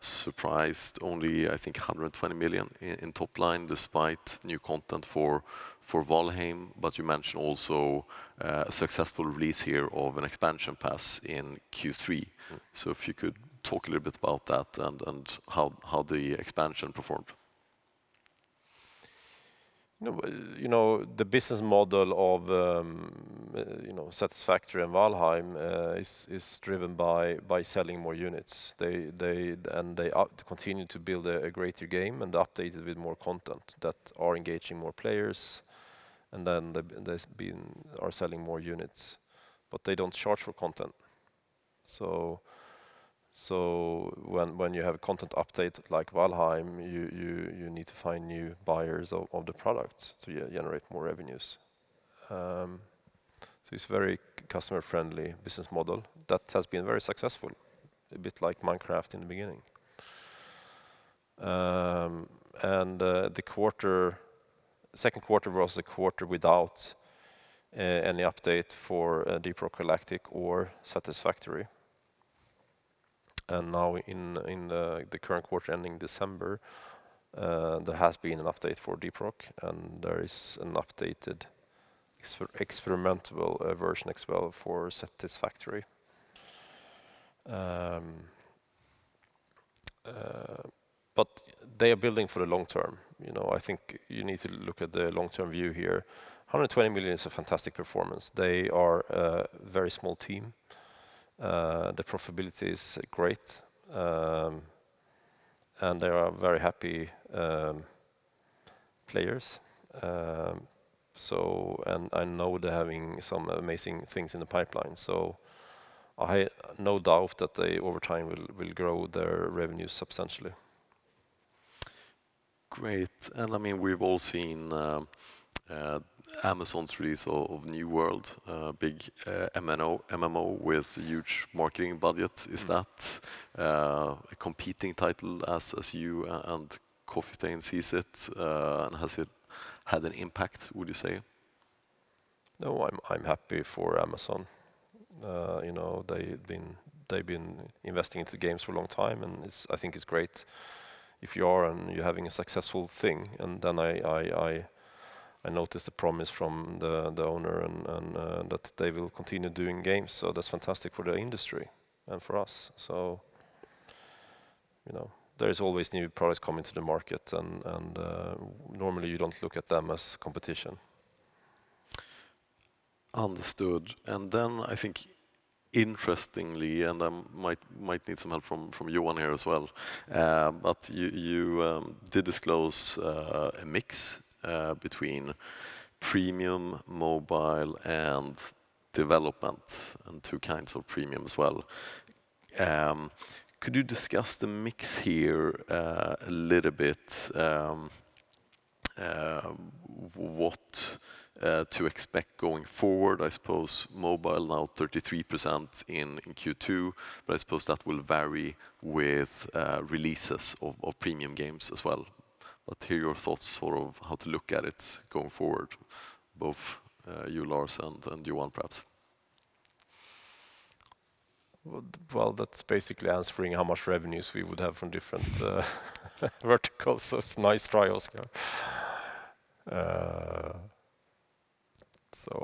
surprised only, I think, 120 million in top line despite new content for Valheim. You mentioned also a successful release here of an expansion pass in Q3. Yes. If you could talk a little bit about that and how the expansion performed. No, you know, the business model of, you know, Satisfactory and Valheim is driven by selling more units. They are to continue to build a greater game and update it with more content that are engaging more players, and then are selling more units. They don't charge for content. When you have a content update like Valheim, you need to find new buyers of the product to generate more revenues. It's very customer-friendly business model that has been very successful, a bit like Minecraft in the beginning. The second quarter was the quarter without any update for Deep Rock Galactic or Satisfactory. Now in the current quarter ending December, there has been an update for Deep Rock, and there is an updated experimental version as well for Satisfactory. But they are building for the long term. You know, I think you need to look at the long-term view here. 120 million is a fantastic performance. They are a very small team. The profitability is great, and there are very happy players. I know they're having some amazing things in the pipeline, so no doubt that they, over time, will grow their revenues substantially. Great. I mean, we've all seen Amazon's release of New World, big MMO with huge marketing budget. Mm-hmm. Is that a competing title as you and Coffee Stain sees it? Has it had an impact, would you say? No, I'm happy for Amazon. You know, they've been investing into games for a long time, and I think it's great if you are and you're having a successful thing. I notice the promise from the owner and that they will continue doing games, so that's fantastic for the industry and for us. You know, there is always new products coming to the market and normally you don't look at them as competition. Understood. I think interestingly, I might need some help from Johan here as well, but you did disclose a mix between premium, mobile, and development and two kinds of premium as well. Could you discuss the mix here a little bit, what to expect going forward? I suppose mobile now 33% in Q2, but I suppose that will vary with releases of premium games as well. Hear your thoughts sort of how to look at it going forward, both you, Lars, and Johan perhaps. Well, that's basically answering how much revenues we would have from different verticals. It's nice try, Oscar. I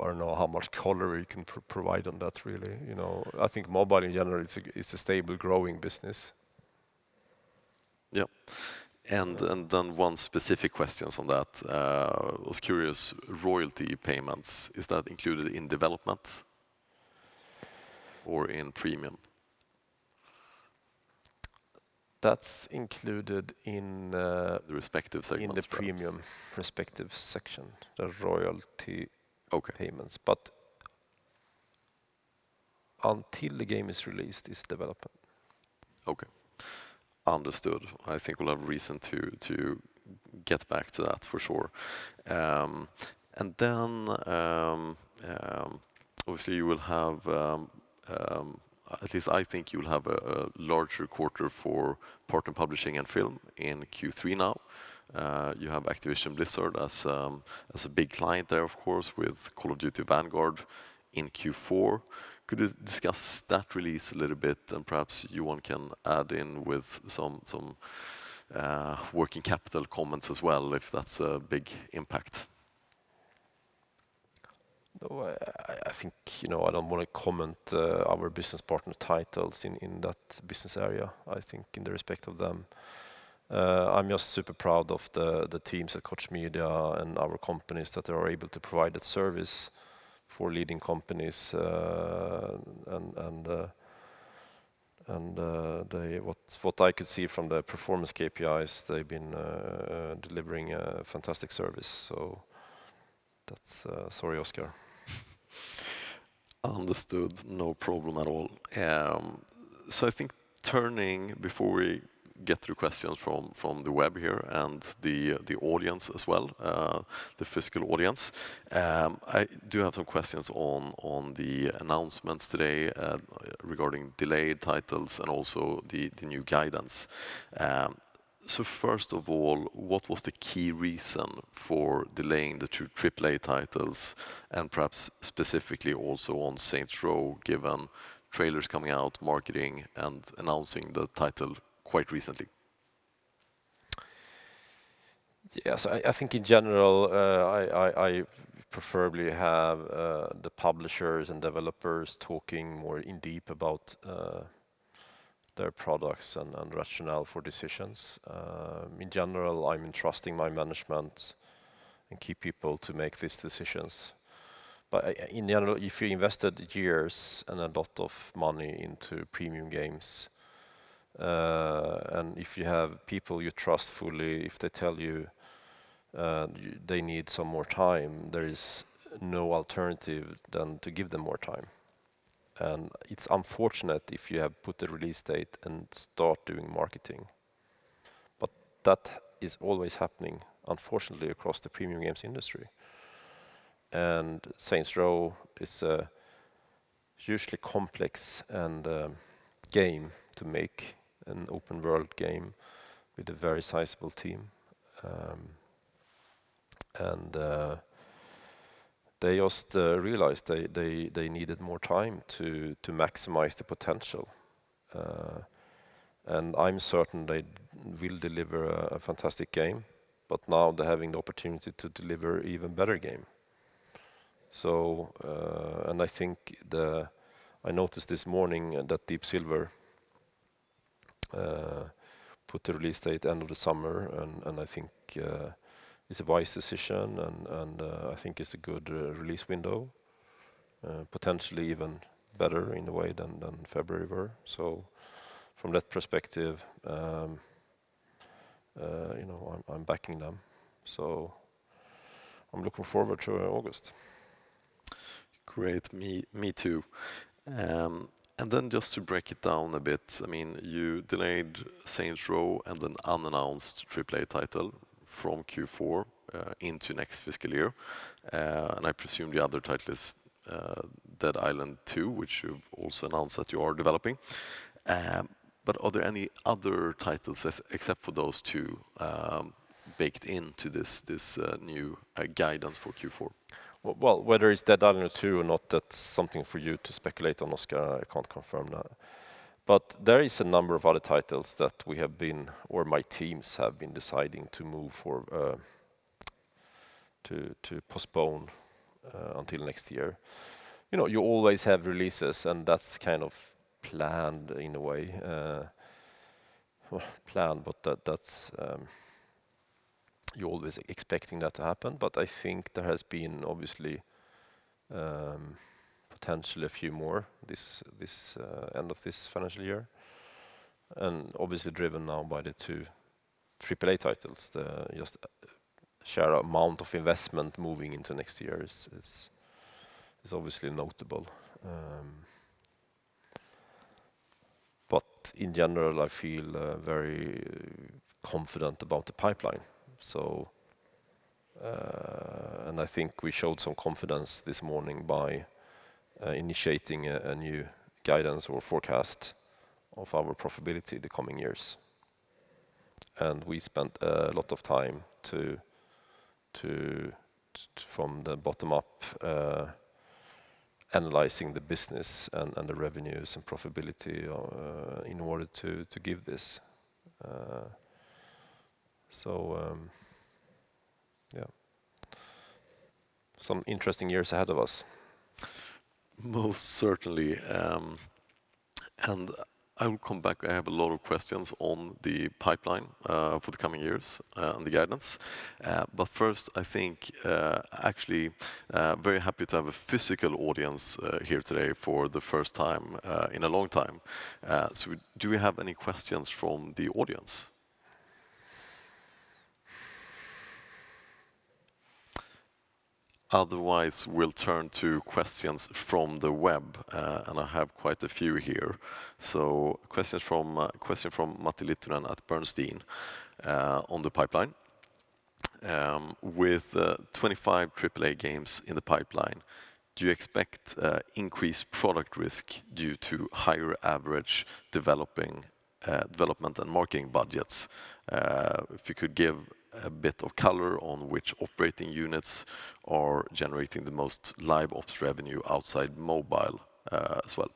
don't know how much color we can provide on that really. You know, I think mobile in general is a stable growing business. One specific question on that. I was curious, royalty payments, is that included in development or in premium? That's included in. The respective segments perhaps. in the premium respective section, the royalty Okay… payments. Until the game is released, it's development. Okay. Understood. I think we'll have reason to get back to that for sure. Obviously you will have, at least I think you'll have a larger quarter for partner publishing and film in Q3 now. You have Activision Blizzard as a big client there, of course, with Call of Duty: Vanguard in Q4. Could you discuss that release a little bit? Perhaps Johan can add in with some working capital comments as well if that's a big impact. No, I think, you know, I don't wanna comment our business partner titles in that business area, I think in the respect of them. I'm just super proud of the teams at Koch Media and our companies that are able to provide that service for leading companies, and what I could see from the performance KPIs, they've been delivering a fantastic service. That's sorry, Oscar. Understood. No problem at all. I think turning before we get through questions from the web here and the audience as well, the physical audience, I do have some questions on the announcements today, regarding delayed titles and also the new guidance. First of all, what was the key reason for delaying the two AAA titles and perhaps specifically also on Saints Row, given trailers coming out, marketing, and announcing the title quite recently? Yes. I think in general I preferably have the publishers and developers talking more in depth about their products and rationale for decisions. In general, I'm entrusting my management and key people to make these decisions. In general, if you invested years and a lot of money into premium games and if you have people you trust fully, if they tell you they need some more time, there is no alternative than to give them more time. It's unfortunate if you have put the release date and start doing marketing. That is always happening, unfortunately, across the premium games industry. Saints Row is a hugely complex and game to make, an open world game with a very sizable team. They just realized they needed more time to maximize the potential. I'm certain they will deliver a fantastic game, but now they're having the opportunity to deliver even better game. I think I noticed this morning that Deep Silver put the release date end of the summer, and I think it's a wise decision and I think it's a good release window, potentially even better in a way than February were. From that perspective, you know, I'm backing them, so I'm looking forward to August. Great. Me too. Just to break it down a bit, I mean, you delayed Saints Row and an unannounced AAA title from Q4 into next fiscal year. I presume the other title is Dead Island 2, which you've also announced that you are developing. Are there any other titles except for those two baked into this new guidance for Q4? Well, whether it's Dead Island 2 or not, that's something for you to speculate on, Oscar. I can't confirm that. There is a number of other titles that we have been, or my teams have been deciding to postpone until next year. You know, you always have releases, and that's kind of planned in a way, but that's what you're always expecting to happen. I think there has been obviously potentially a few more this end of this financial year, and obviously driven now by the two AAA titles. The sheer amount of investment moving into next year is obviously notable. In general, I feel very confident about the pipeline. I think we showed some confidence this morning by initiating a new guidance or forecast of our profitability the coming years. We spent a lot of time from the bottom up analyzing the business and the revenues and profitability in order to give this. Yeah, some interesting years ahead of us. Most certainly. I will come back. I have a lot of questions on the pipeline for the coming years and the guidance. First, I think actually I'm very happy to have a physical audience here today for the first time in a long time. Do we have any questions from the audience? Otherwise, we'll turn to questions from the web and I have quite a few here. Question from Matti Littunen at Bernstein on the pipeline. With 25 AAA games in the pipeline, do you expect increased product risk due to higher average development and marketing budgets? If you could give a bit of color on which operating units are generating the most live ops revenue outside mobile, as well.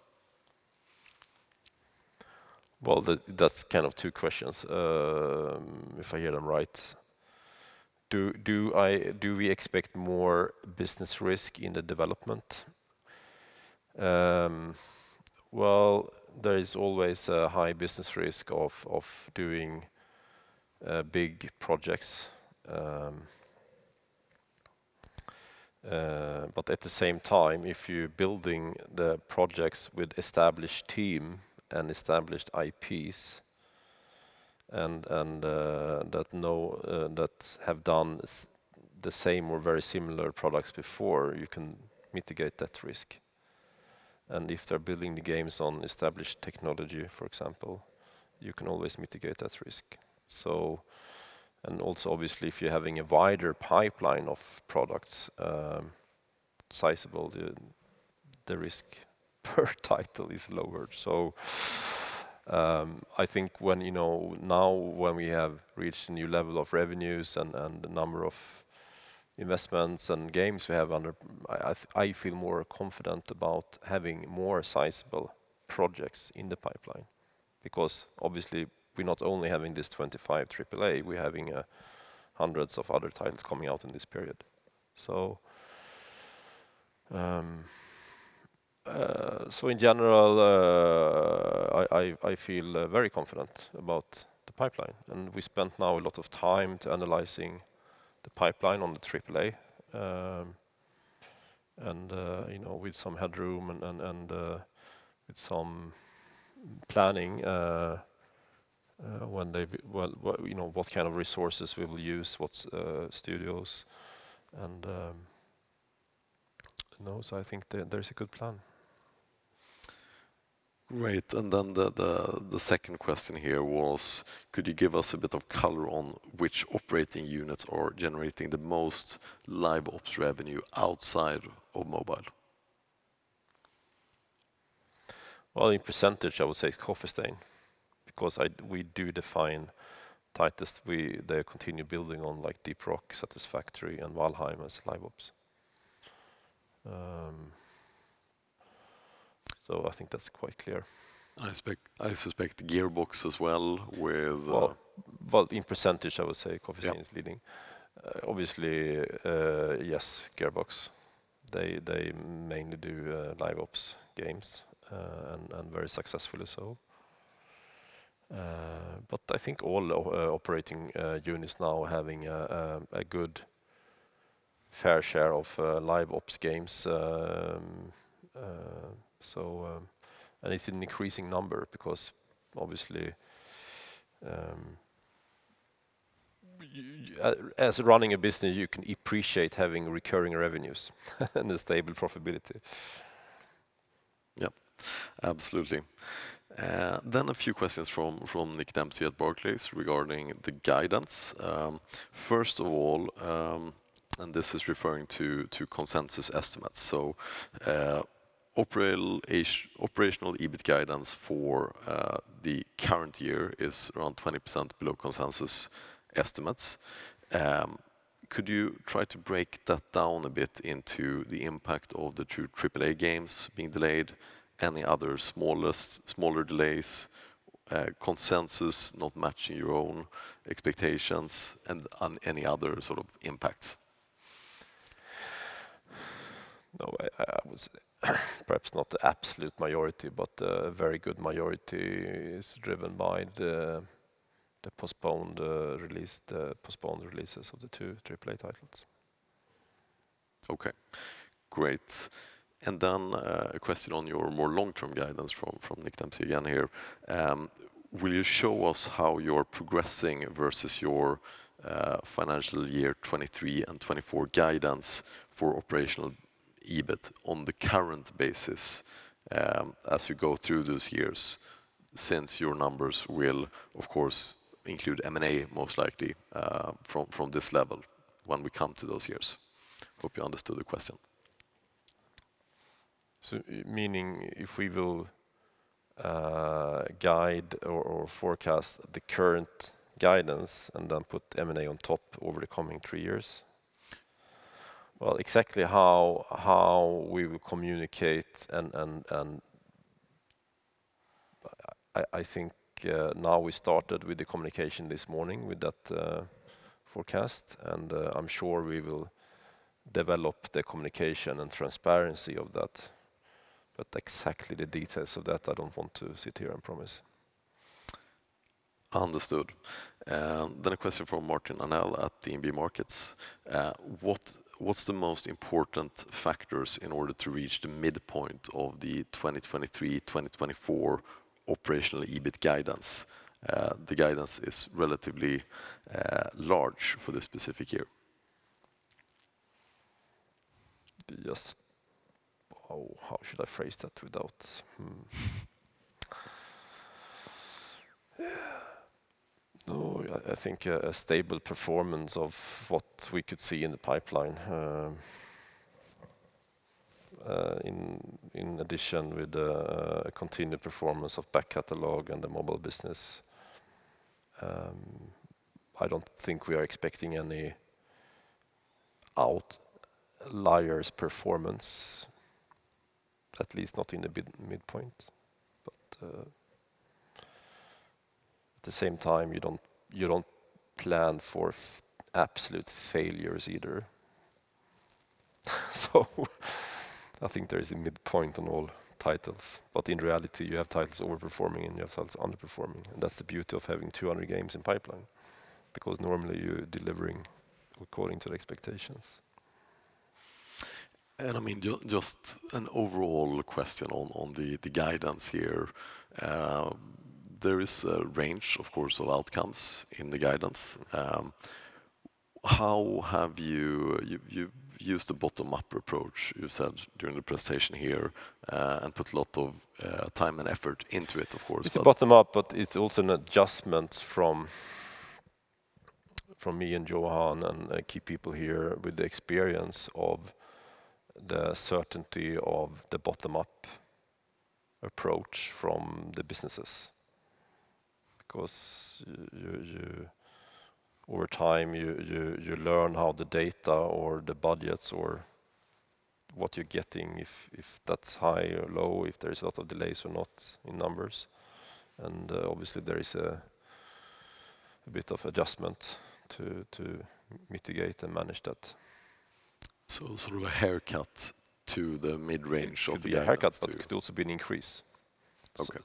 Well, that's kind of two questions, if I hear them right. Do we expect more business risk in the development? Well, there is always a high business risk of doing big projects, but at the same time, if you're building the projects with established team and established IPs and that have done the same or very similar products before, you can mitigate that risk. If they're building the games on established technology, for example, you can always mitigate that risk. Also obviously, if you're having a wider pipeline of products, sizable, the risk per title is lower. I think now when we have reached a new level of revenues and the number of investments and games we have under, I feel more confident about having more sizable projects in the pipeline because obviously we're not only having this 25 AAA, we're having hundreds of other titles coming out in this period. In general, I feel very confident about the pipeline, and we spent now a lot of time to analyzing the pipeline on the AAA. You know, with some headroom and with some planning, you know, what kind of resources we will use, what studios, and you know, so I think there's a good plan. Great. The second question here was, could you give us a bit of color on which operating units are generating the most live ops revenue outside of mobile? Well, in percentage, I would say it's Coffee Stain because we do define titles they continue building on like Deep Rock, Satisfactory, and Valheim as live ops. I think that's quite clear. I suspect Gearbox as well with, Well, in percentage, I would say Coffee Stain. Yeah ...is leading. Obviously, yes, Gearbox, they mainly do live ops games, and very successfully so. But I think all operating units now are having a good fair share of live ops games, and it's an increasing number because obviously, as running a business, you can appreciate having recurring revenues and a stable profitability. Yep, absolutely. A few questions from Nick Dempsey at Barclays regarding the guidance. First of all, this is referring to consensus estimates. Operational EBIT guidance for the current year is around 20% below consensus estimates. Could you try to break that down a bit into the impact of the two AAA games being delayed? Any other smaller delays, consensus not matching your own expectations, and any other sort of impacts? No, I would say perhaps not the absolute majority, but a very good majority is driven by the postponed releases of the two AAA titles. Okay, great. A question on your more long-term guidance from Nick Dempsey again here. Will you show us how you're progressing versus your financial year 2023 and 2024 guidance for operational EBIT on the current basis, as we go through those years, since your numbers will, of course, include M&A most likely, from this level when we come to those years? Hope you understood the question. Meaning if we will guide or forecast the current guidance and then put M&A on top over the coming three years? Exactly how we will communicate and I think now we started with the communication this morning with that forecast, and I'm sure we will develop the communication and transparency of that. Exactly the details of that, I don't want to sit here and promise. Understood. A question from Martin Arnell at DNB Markets. What's the most important factors in order to reach the midpoint of the 2023-2024 operational EBIT guidance? The guidance is relatively large for this specific year. I think a stable performance of what we could see in the pipeline, in addition with the continued performance of back catalog and the mobile business. I don't think we are expecting any outlier performance, at least not in the midpoint. At the same time, you don't plan for absolute failures either. I think there is a midpoint on all titles, but in reality, you have titles over-performing and you have titles under-performing, and that's the beauty of having 200 games in pipeline, because normally you're delivering according to the expectations. I mean, just an overall question on the guidance here. There is a range, of course, of outcomes in the guidance. You used a bottom-up approach, you said during the presentation here, and put a lot of time and effort into it, of course. It's a bottom-up, but it's also an adjustment from me and Johan and key people here with the experience of the certainty of the bottom-up approach from the businesses. Because you, over time, you learn how the data or the budgets or what you're getting, if that's high or low, if there's a lot of delays or not in numbers. Obviously, there is a bit of adjustment to mitigate and manage that. Sort of a haircut to the mid-range of the It could be a haircut, but it could also be an increase. Okay.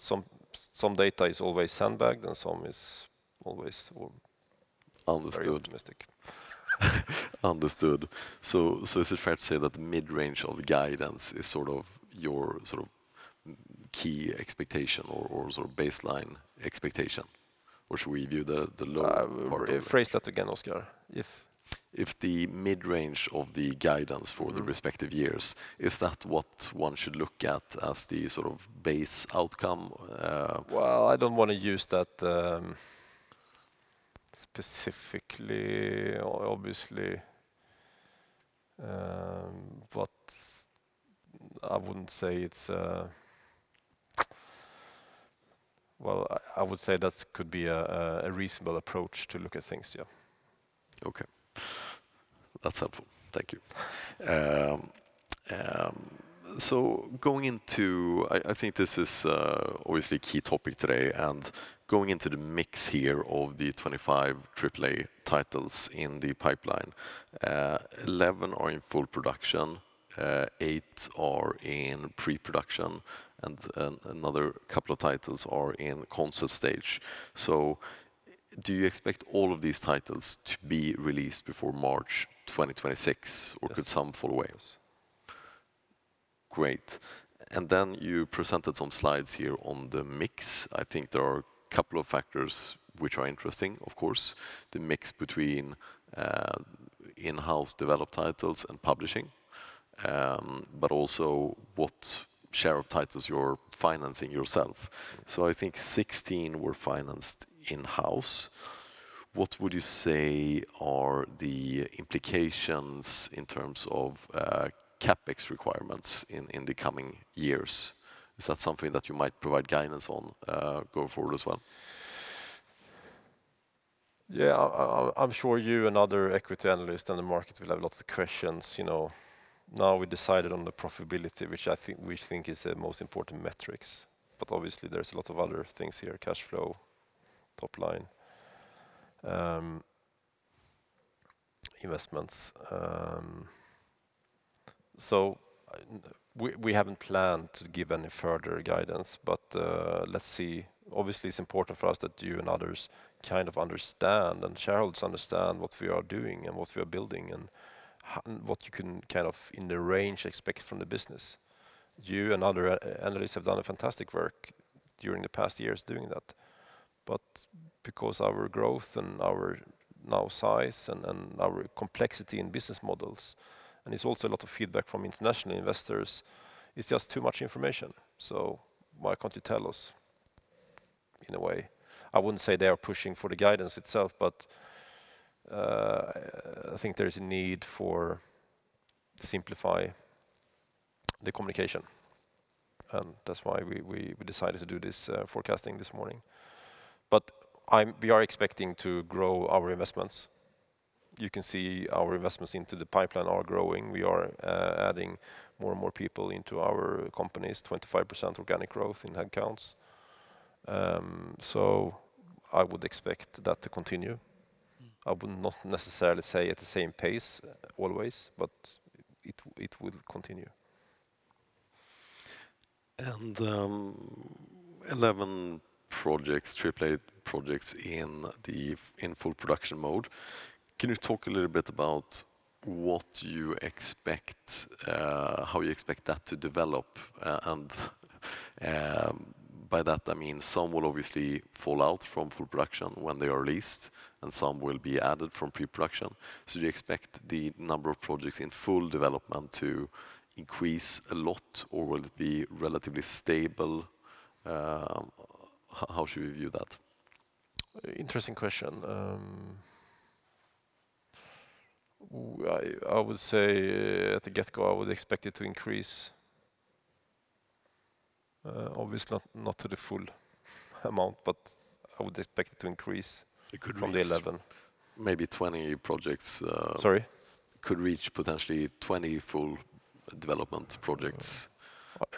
Some data is always sandbagged, and some is always. Understood Very optimistic. Understood. Is it fair to say that the mid-range of the guidance is sort of your key expectation or sort of baseline expectation? Should we view the low part of it? Rephrase that again, Oscar. If the mid-range of the guidance for the respective years is that what one should look at as the sort of base outcome? Well, I don't wanna use that specifically. Obviously, but I wouldn't say it's. Well, I would say that could be a reasonable approach to look at things, yeah. Okay. That's helpful. Thank you. I think this is obviously a key topic today, and going into the mix here of the 25 AAA titles in the pipeline, 11 are in full production, eight are in pre-production, and another couple of titles are in concept stage. Do you expect all of these titles to be released before March 2026? Yes or could some fall away? Great. You presented some slides here on the mix. I think there are a couple of factors which are interesting. Of course, the mix between in-house developed titles and publishing, but also what share of titles you're financing yourself. I think 16 were financed in-house. What would you say are the implications in terms of CapEx requirements in the coming years? Is that something that you might provide guidance on, going forward as well? I'm sure you and other equity analysts in the market will have lots of questions, you know. Now we decided on the profitability, which we think is the most important metrics, but obviously there's a lot of other things here, cash flow, top line, investments. So we haven't planned to give any further guidance, but let's see. Obviously, it's important for us that you and others kind of understand, and shareholders understand what we are doing and what we are building and what you can kind of in the range expect from the business. You and other analysts have done a fantastic work during the past years doing that. Because our growth and our now size and our complexity in business models, and it's also a lot of feedback from international investors, it's just too much information. Why can't you tell us in a way? I wouldn't say they are pushing for the guidance itself, but I think there is a need to simplify the communication, and that's why we decided to do this forecasting this morning. We are expecting to grow our investments. You can see our investments into the pipeline are growing. We are adding more and more people into our companies, 25% organic growth in headcounts. I would expect that to continue. I would not necessarily say at the same pace always, but it will continue. 11 projects, AAA projects in full production mode. Can you talk a little bit about what you expect, how you expect that to develop? By that I mean some will obviously fall out from full production when they are released, and some will be added from pre-production. Do you expect the number of projects in full development to increase a lot, or will it be relatively stable? How should we view that? Interesting question. I would say at the get-go, I would expect it to increase, obviously not to the full amount, but I would expect it to increase. It could reach-... from the 11 maybe 20 projects Sorry? Could reach potentially 20 full development projects.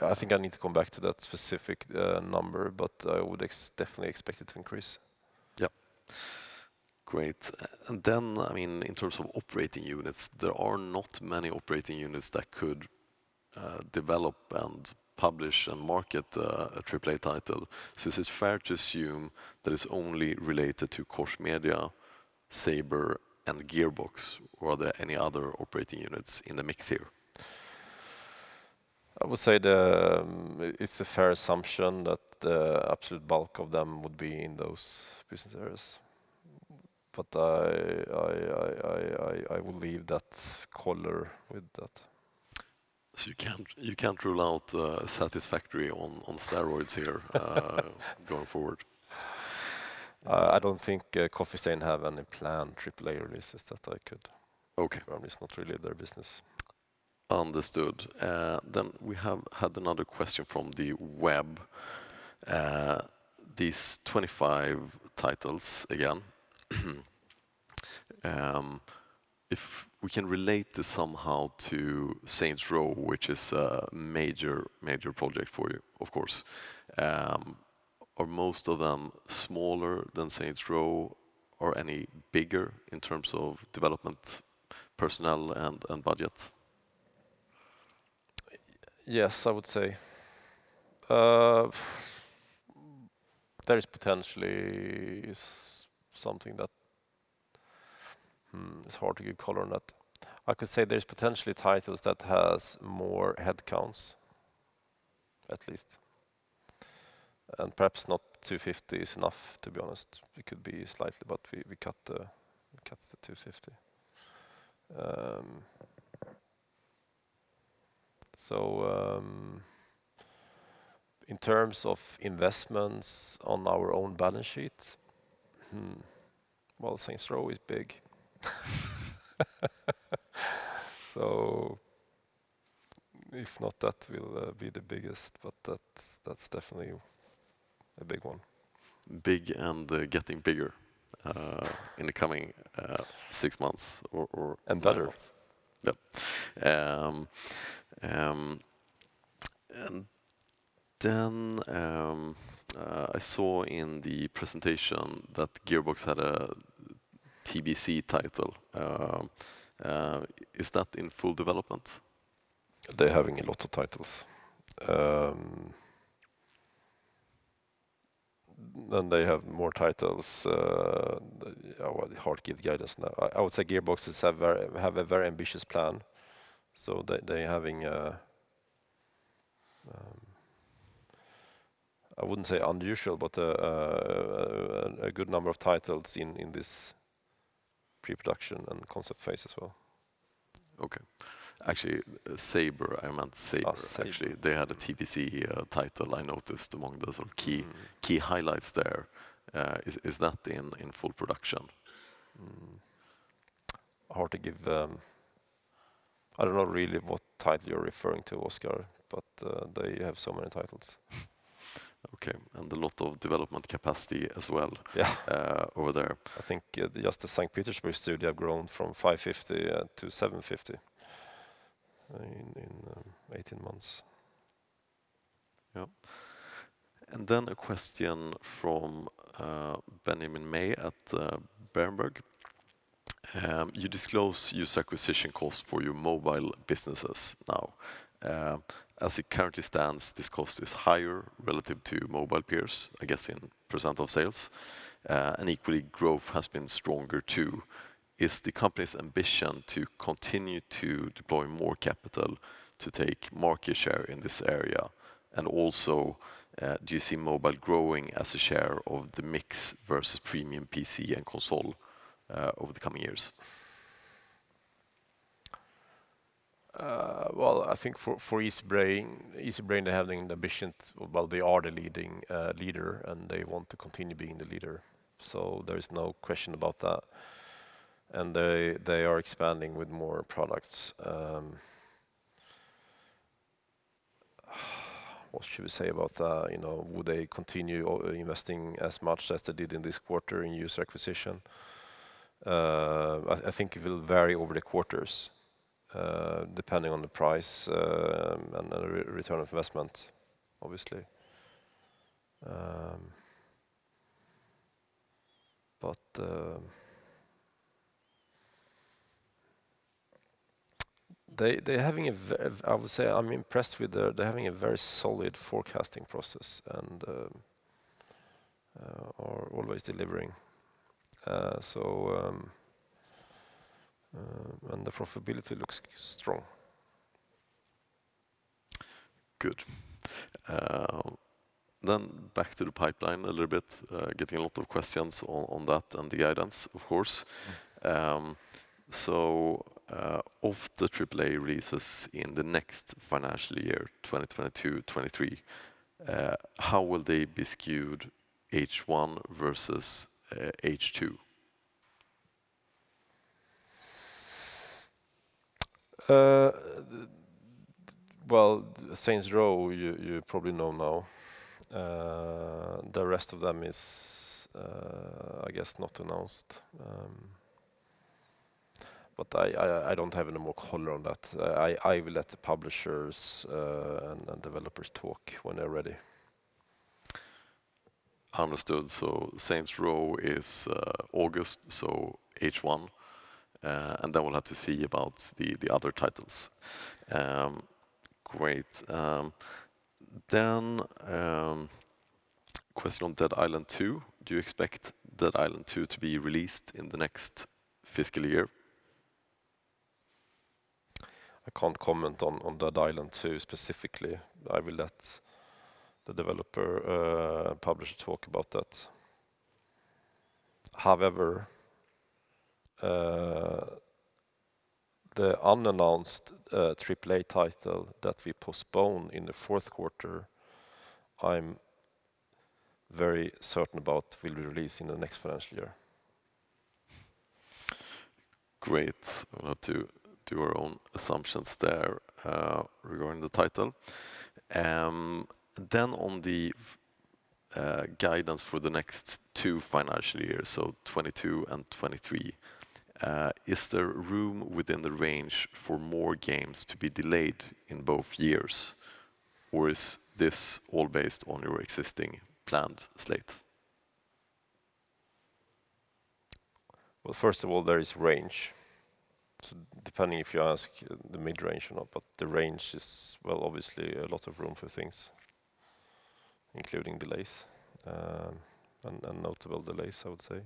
I think I need to come back to that specific number, but I would definitely expect it to increase. Yep. Great. I mean, in terms of operating units, there are not many operating units that could develop and publish and market a AAA title. Is it fair to assume that it's only related to Koch Media, Saber, and Gearbox? Are there any other operating units in the mix here? I would say it's a fair assumption that the absolute bulk of them would be in those business areas. I will leave that color with that. You can't rule out Satisfactory on steroids here going forward? I don't think Coffee Stain have any planned AAA releases that I could- Okay It's not really their business. Understood. We have had another question from the web. These 25 titles again, if we can relate this somehow to Saints Row, which is a major project for you, of course. Are most of them smaller than Saints Row or any bigger in terms of development personnel and budget? Yes, I would say. There is potentially something that is hard to give color on that. I could say there's potentially titles that has more headcounts at least, and perhaps not 250 is enough, to be honest. It could be slightly, but we cut to 250. In terms of investments on our own balance sheet, well, Saints Row is big. If not, that will be the biggest, but that's definitely a big one. Big, getting bigger in the coming six months or Better. Yeah. I saw in the presentation that Gearbox had a TBC title. Is that in full development? They're having a lot of titles. They have more titles, well, hard to give guidance now. I would say Gearbox have a very ambitious plan, so they're having, I wouldn't say unusual, but a good number of titles in this pre-production and concept phase as well. Okay. Actually, Saber, I meant Saber actually. They had a TBC title I noticed among the sort of key- Mm-hmm... key highlights there. Is that in full production? Hard to give. I don't know really what title you're referring to, Oscar, but they have so many titles. Okay. A lot of development capacity as well. Yeah Over there. I think just the Saint Petersburg studio have grown from 550 to 750 in 18 months. Yeah. A question from Ben May at Berenberg. You disclose user acquisition costs for your mobile businesses now. As it currently stands, this cost is higher relative to mobile peers, I guess, in % of sales. Equally, growth has been stronger too. Is the company's ambition to continue to deploy more capital to take market share in this area? Do you see mobile growing as a share of the mix versus premium PC and console over the coming years? Well, I think for Easybrain, they are the leading leader, and they want to continue being the leader, so there is no question about that. They are expanding with more products. What should we say about, you know, will they continue investing as much as they did in this quarter in user acquisition? I think it will vary over the quarters, depending on the price, and the return on investment, obviously. I would say I'm impressed with the—they're having a very solid forecasting process and are always delivering. The profitability looks strong. Good. Back to the pipeline a little bit. Getting a lot of questions on that and the guidance, of course. Of the AAA releases in the next financial year, 2022-2023, how will they be skewed H1 versus H2? Well, Saints Row, you probably know now. The rest of them is, I guess, not announced. I don't have any more color on that. I will let the publishers and developers talk when they're ready. Understood. Saints Row is August, so H1. We'll have to see about the other titles. Great. Question on Dead Island two. Do you expect Dead Island two to be released in the next fiscal year? I can't comment on Dead Island two specifically. I will let the developer and publisher talk about that. However, the unannounced AAA title that we postpone in the fourth quarter, I'm very certain about will be released in the next financial year. Great. We'll have to do our own assumptions there regarding the title. On the guidance for the next two financial years, so 2022 and 2023, is there room within the range for more games to be delayed in both years, or is this all based on your existing planned slate? Well, first of all, there is range. Depending if you ask the mid-range or not, but the range is, well, obviously a lot of room for things, including delays, and notable delays, I would say.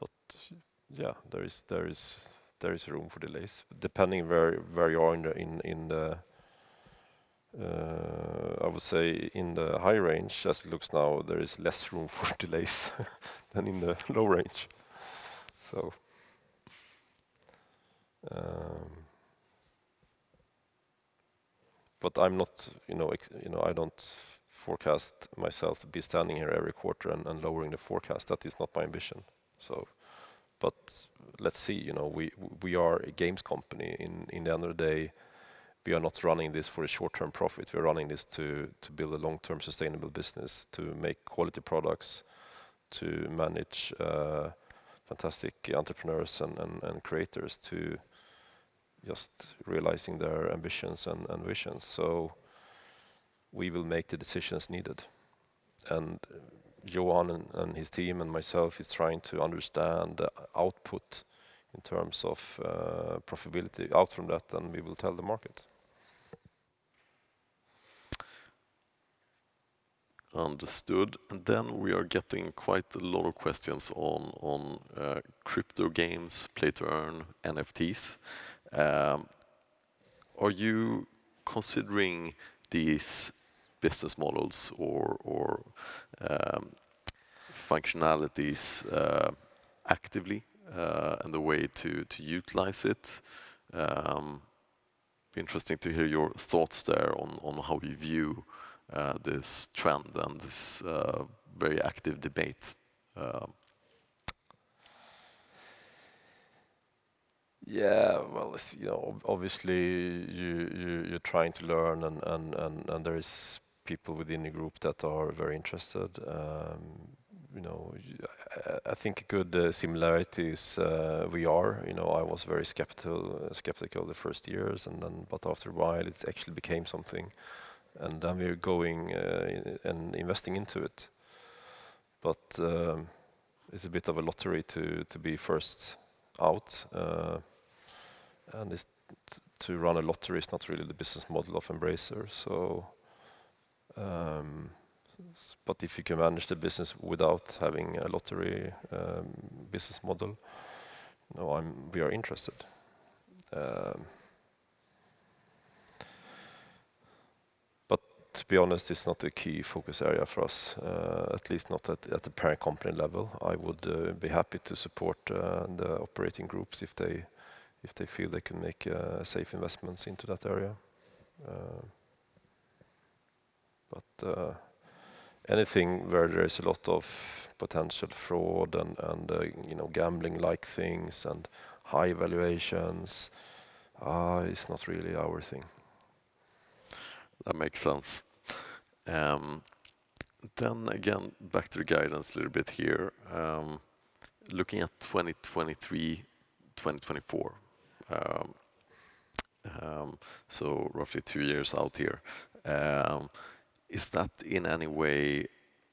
But yeah, there is room for delays, but depending where you are in the, I would say in the high range, as it looks now, there is less room for delays than in the low range. I'm not, you know, I don't forecast myself to be standing here every quarter and lowering the forecast. That is not my ambition. Let's see, you know. We are a games company. In the end of the day, we are not running this for a short-term profit. We are running this to build a long-term sustainable business, to make quality products, to manage fantastic entrepreneurs and creators to just realizing their ambitions and visions. We will make the decisions needed. Johan and his team and myself is trying to understand the output in terms of profitability out from that, and we will tell the market. Understood. We are getting quite a lot of questions on crypto games, play to earn, NFTs. Are you considering these business models or functionalities actively, and the way to utilize it? It would be interesting to hear your thoughts there on how you view this trend and this very active debate. Yeah, well, it's you know, obviously you're trying to learn and there is people within the group that are very interested. You know, I think a good similarity is. You know, I was very skeptical the first years and then after a while, it actually became something, and then we're going and investing into it. It's a bit of a lottery to be first out, and to run a lottery is not really the business model of Embracer, so. If you can manage the business without having a lottery business model, you know, we are interested. To be honest, it's not a key focus area for us, at least not at the parent company level. I would be happy to support the operating groups if they feel they can make safe investments into that area. Anything where there is a lot of potential fraud and, you know, gambling-like things and high valuations is not really our thing. That makes sense. Back to the guidance a little bit here. Looking at 2023, 2024, roughly two years out here, is that in any way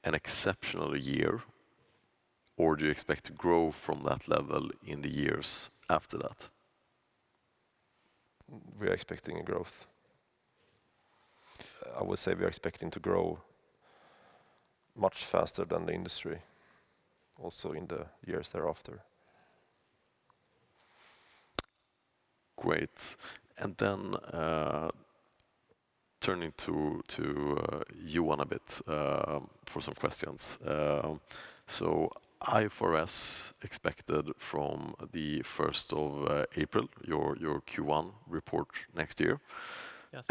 an exceptional year, or do you expect to grow from that level in the years after that? We are expecting a growth. I would say we are expecting to grow much faster than the industry also in the years thereafter. Great. Turning to Johan a bit for some questions. IFRS expected from the first of April, your Q1 report next year? Yes.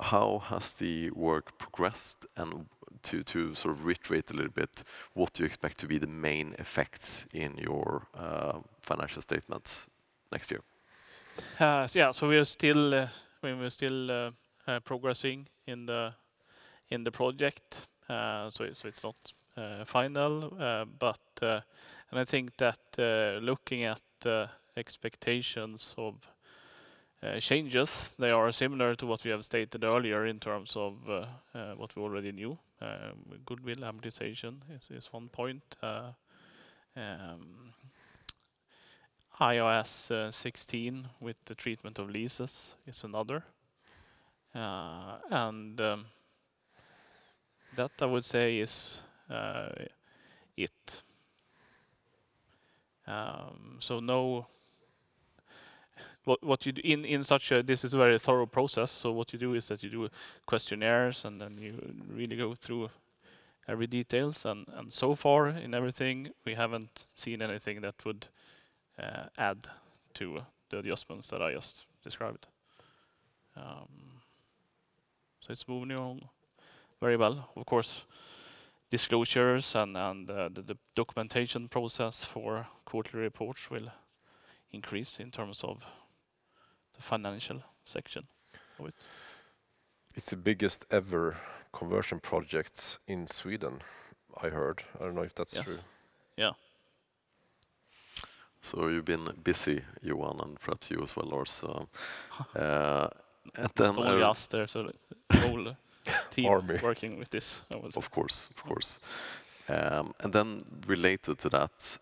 How has the work progressed and to sort of reiterate a little bit, what do you expect to be the main effects in your financial statements next year? Yeah, we are still progressing in the project. It's not final. I think that looking at expectations of changes, they are similar to what we have stated earlier in terms of what we already knew. Goodwill amortization is one point. iOS 16 with the treatment of leases is another. That I would say is it. This is a very thorough process, so what you do is that you do questionnaires, and then you really go through every detail. So far in everything, we haven't seen anything that would add to the adjustments that I just described. It's moving along very well. Of course, disclosures and the documentation process for quarterly reports will increase in terms of the financial section of it. It's the biggest ever conversion project in Sweden, I heard. I don't know if that's true. Yes. Yeah. You've been busy, Johan, and perhaps you as well, Lars. It's only us there, so the whole. Army team working with this, I would say. Of course. Related to that,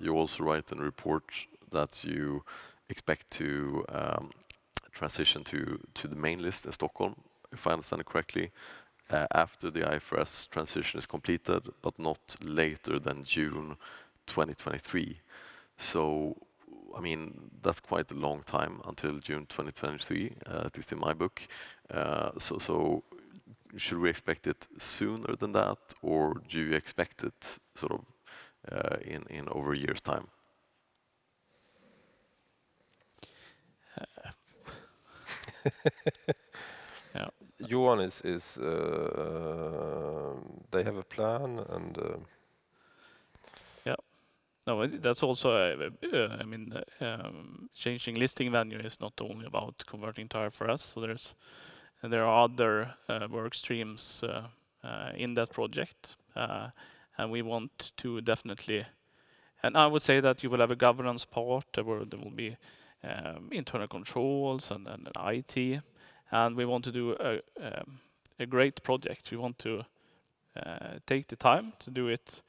you also write in the report that you expect to transition to the main list in Stockholm, if I understand it correctly, after the IFRS transition is completed, but not later than June 2023. I mean, that's quite a long time until June 2023, at least in my book. Should we expect it sooner than that, or do you expect it sort of in over a year's time? Yeah. Johan is. They have a plan and Yeah. No, that's also. I mean, changing listing venue is not only about converting to IFRS. There are other work streams in that project. I would say that you will have a governance part where there will be internal controls and then an IT. We want to do a great project. We want to take the time to do it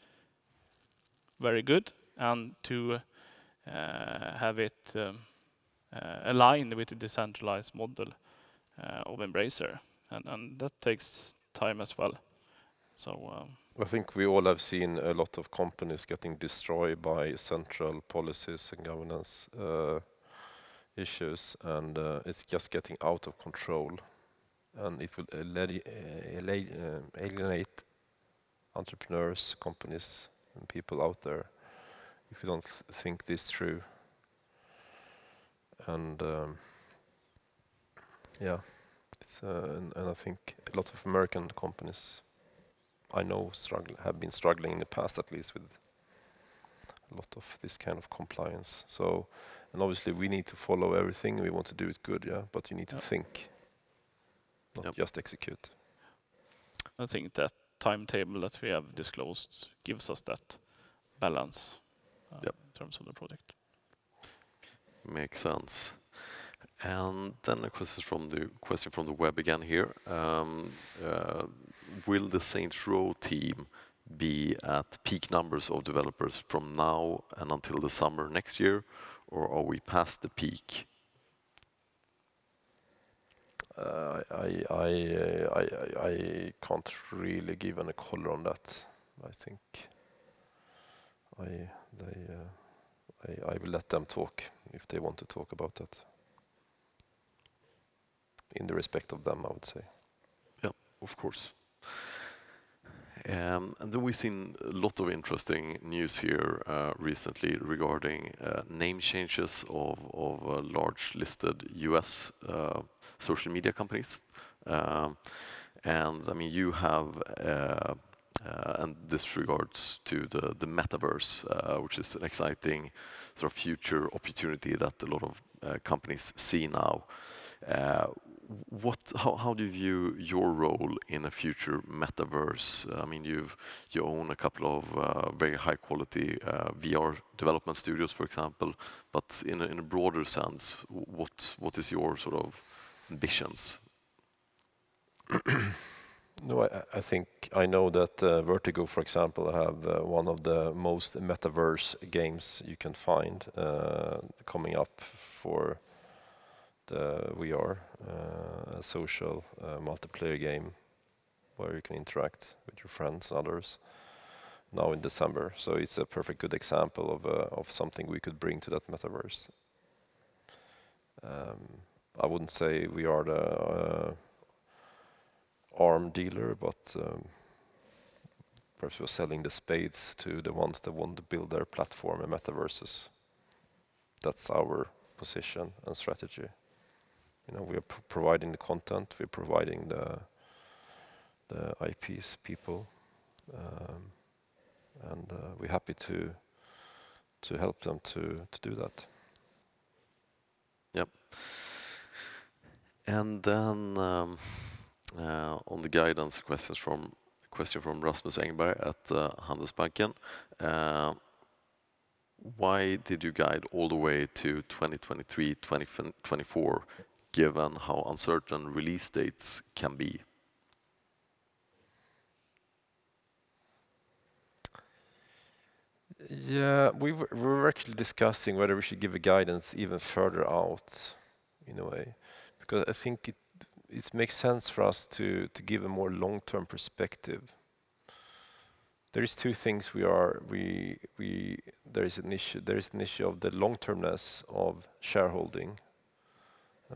very good and to have it aligned with the decentralized model of Embracer, and that takes time as well, so I think we all have seen a lot of companies getting destroyed by central policies and governance, issues, and it's just getting out of control. It will alienate entrepreneurs, companies, and people out there if you don't think this through. I think a lot of American companies I know have been struggling in the past at least with a lot of this kind of compliance, so. Obviously we need to follow everything. We want to do it good, yeah? You need to think. Yeah not just execute. I think that timetable that we have disclosed gives us that balance. Yep in terms of the project. Makes sense. A question from the web again here. Will the Saints Row team be at peak numbers of developers from now and until the summer next year, or are we past the peak? I can't really give any color on that, I think. I will let them talk if they want to talk about that, out of respect for them, I would say. Yeah, of course. We've seen a lot of interesting news here recently regarding name changes of large listed U.S. social media companies. I mean, this regards to the metaverse, which is an exciting sort of future opportunity that a lot of companies see now. How do you view your role in a future metaverse? I mean, you own a couple of very high quality VR development studios, for example. In a broader sense, what is your sort of ambitions? No, I think I know that Vertigo, for example, have one of the most metaverse games you can find coming up for the VR. A social multiplayer game where you can interact with your friends and others out in December. It's a perfect good example of something we could bring to that metaverse. I wouldn't say we are the arms dealer, but perhaps we're selling the spades to the ones that want to build their platform in metaverses. That's our position and strategy. You know, we are providing the content, we're providing the IPs people, and we're happy to help them do that. Yep. On the guidance question from Rasmus Engberg at Handelsbanken. Why did you guide all the way to 2023, 2024, given how uncertain release dates can be? Yeah. We were actually discussing whether we should give a guidance even further out in a way, because I think it makes sense for us to give a more long-term perspective. There is an issue of the long-termness of shareholding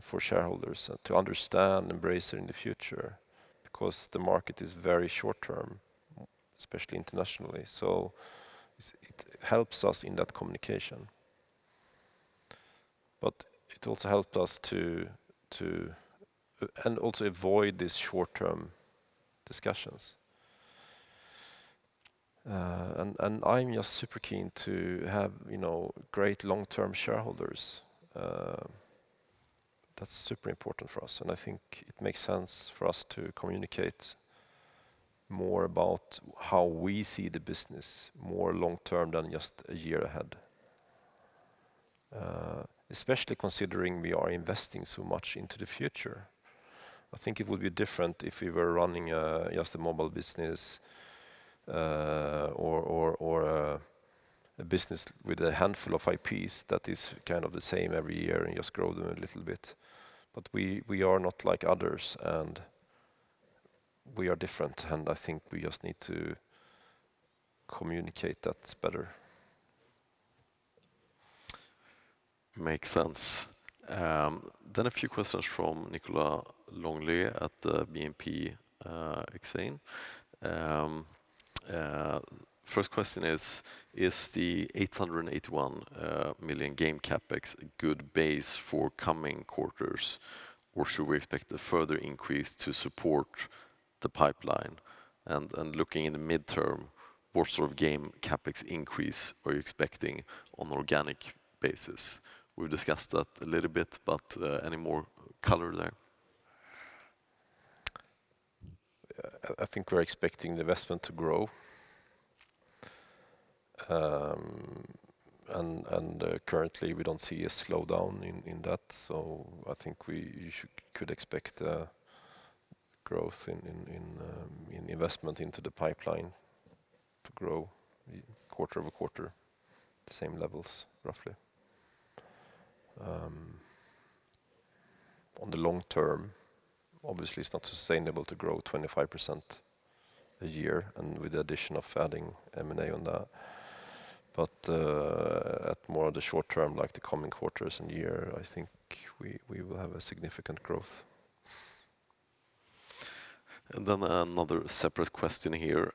for shareholders to understand Embracer in the future because the market is very short term, especially internationally. It helps us in that communication. It also helped us to and also avoid these short-term discussions. I'm just super keen to have, you know, great long-term shareholders. That's super important for us, and I think it makes sense for us to communicate more about how we see the business more long term than just a year ahead. Especially considering we are investing so much into the future. I think it would be different if we were running just a mobile business, or a business with a handful of IPs that is kind of the same every year and just grow them a little bit. We are not like others, and we are different, and I think we just need to communicate that better. Makes sense. A few questions from Nicolas Langlet at BNP Paribas Exane. First question is the 881 million game CapEx a good base for coming quarters, or should we expect a further increase to support the pipeline? And looking in the midterm, what sort of game CapEx increase are you expecting on an organic basis? We've discussed that a little bit, but any more color there? I think we're expecting the investment to grow. Currently we don't see a slowdown in that, so I think we could expect growth in investment into the pipeline to grow quarter over quarter at the same levels, roughly. On the long term, obviously it's not sustainable to grow 25% a year and with the addition of adding M&A on that. At more of the short term, like the coming quarters and year, I think we will have a significant growth. Then another separate question here.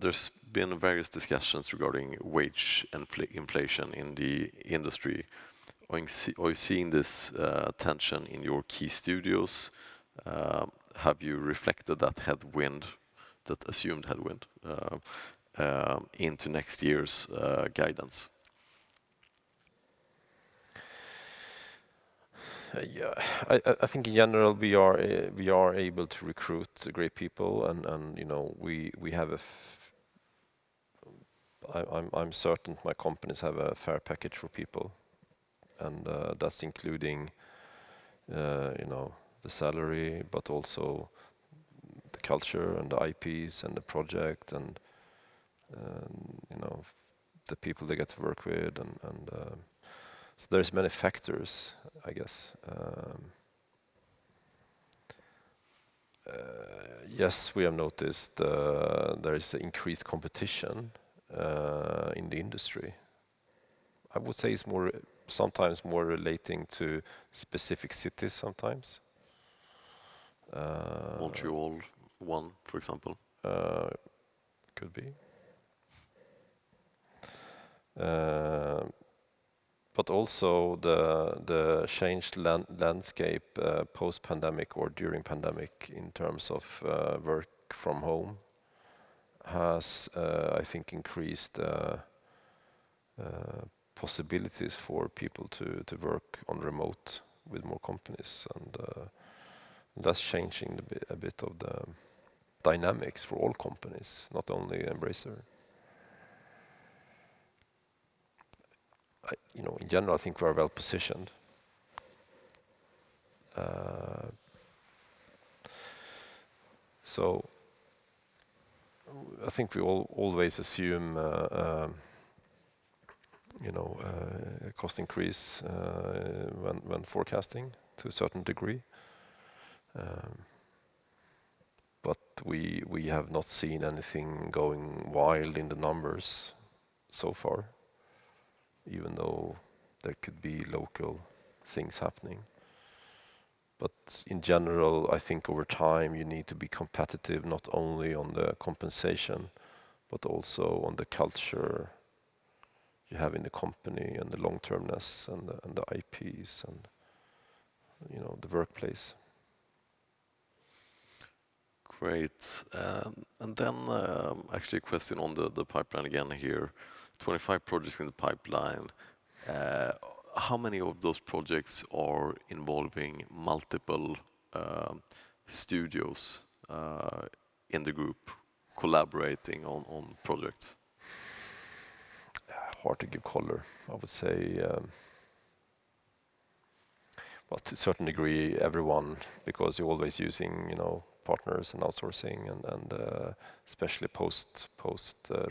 There's been various discussions regarding wage inflation in the industry. Are you seeing this tension in your key studios? Have you reflected that headwind, that assumed headwind, into next year's guidance? I think in general, we are able to recruit great people and, you know, we have a fair package for people, and that's including, you know, the salary, but also the culture and the IPs and the project and, you know, the people they get to work with and so there is many factors, I guess. Yes, we have noticed there is increased competition in the industry. I would say it's more, sometimes more relating to specific cities sometimes. Montréal, one, for example. Could be. Also the changed landscape post-pandemic or during pandemic in terms of work from home has, I think, increased possibilities for people to work remotely with more companies and that's changing a bit of the dynamics for all companies, not only Embracer. You know, in general, I think we are well-positioned. I think we always assume, you know, a cost increase when forecasting to a certain degree. We have not seen anything going wild in the numbers so far, even though there could be local things happening. in general, I think over time, you need to be competitive not only on the compensation, but also on the culture you have in the company, and the long-termness, and the IPs, and, you know, the workplace. Great. Actually a question on the pipeline again here. 25 projects in the pipeline. How many of those projects are involving multiple studios in the group collaborating on projects? hard to give color. I would say, well, to a certain degree, everyone, because you're always using, you know, partners and outsourcing and especially post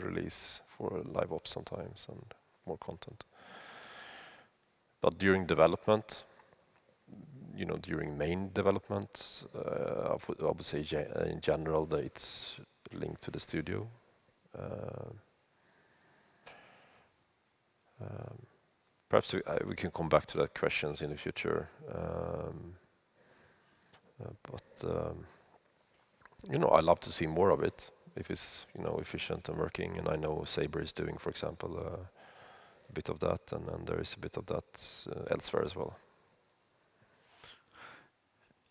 release for live ops sometimes and more content. During development, you know, during main development, I would say in general that it's linked to the studio. Perhaps we can come back to that question in the future. You know, I love to see more of it if it's, you know, efficient and working. I know Saber is doing, for example, a bit of that, and there is a bit of that elsewhere as well.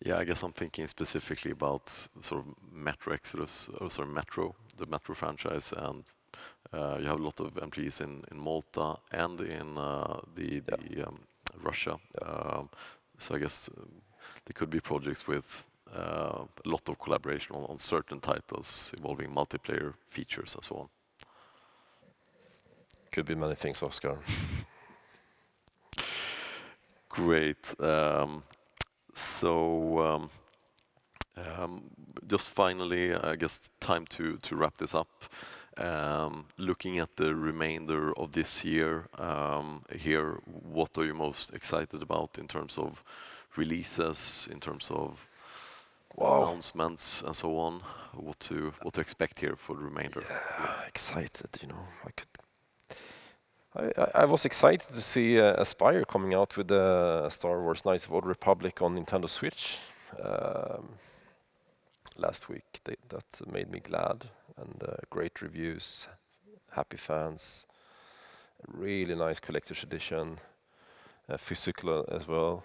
Yeah, I guess I'm thinking specifically about sort of Metro Exodus or sorry, Metro, the Metro franchise, and you have a lot of IPs in Malta and in the Yeah Russia. Yeah. I guess there could be projects with a lot of collaboration on certain titles involving multiplayer features and so on. Could be many things, Oscar. Great. Just finally, it's time to wrap this up. Looking at the remainder of this year, here, what are you most excited about in terms of releases? Wow... announcements and so on? What to expect here for the remainder? Yeah. Excited, you know. I was excited to see Aspyr coming out with Star Wars: Knights of the Old Republic on Nintendo Switch last week. That made me glad. Great reviews, happy fans, really nice collector's edition, physical as well.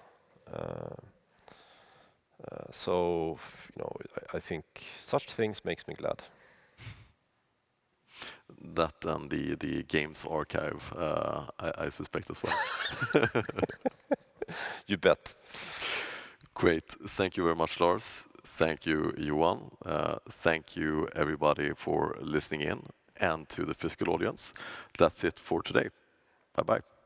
You know, I think such things makes me glad. That and the Games Archive, I suspect as well. You bet. Great. Thank you very much, Lars. Thank you, Johan. Thank you everybody for listening in and to the physical audience. That's it for today. Bye-bye.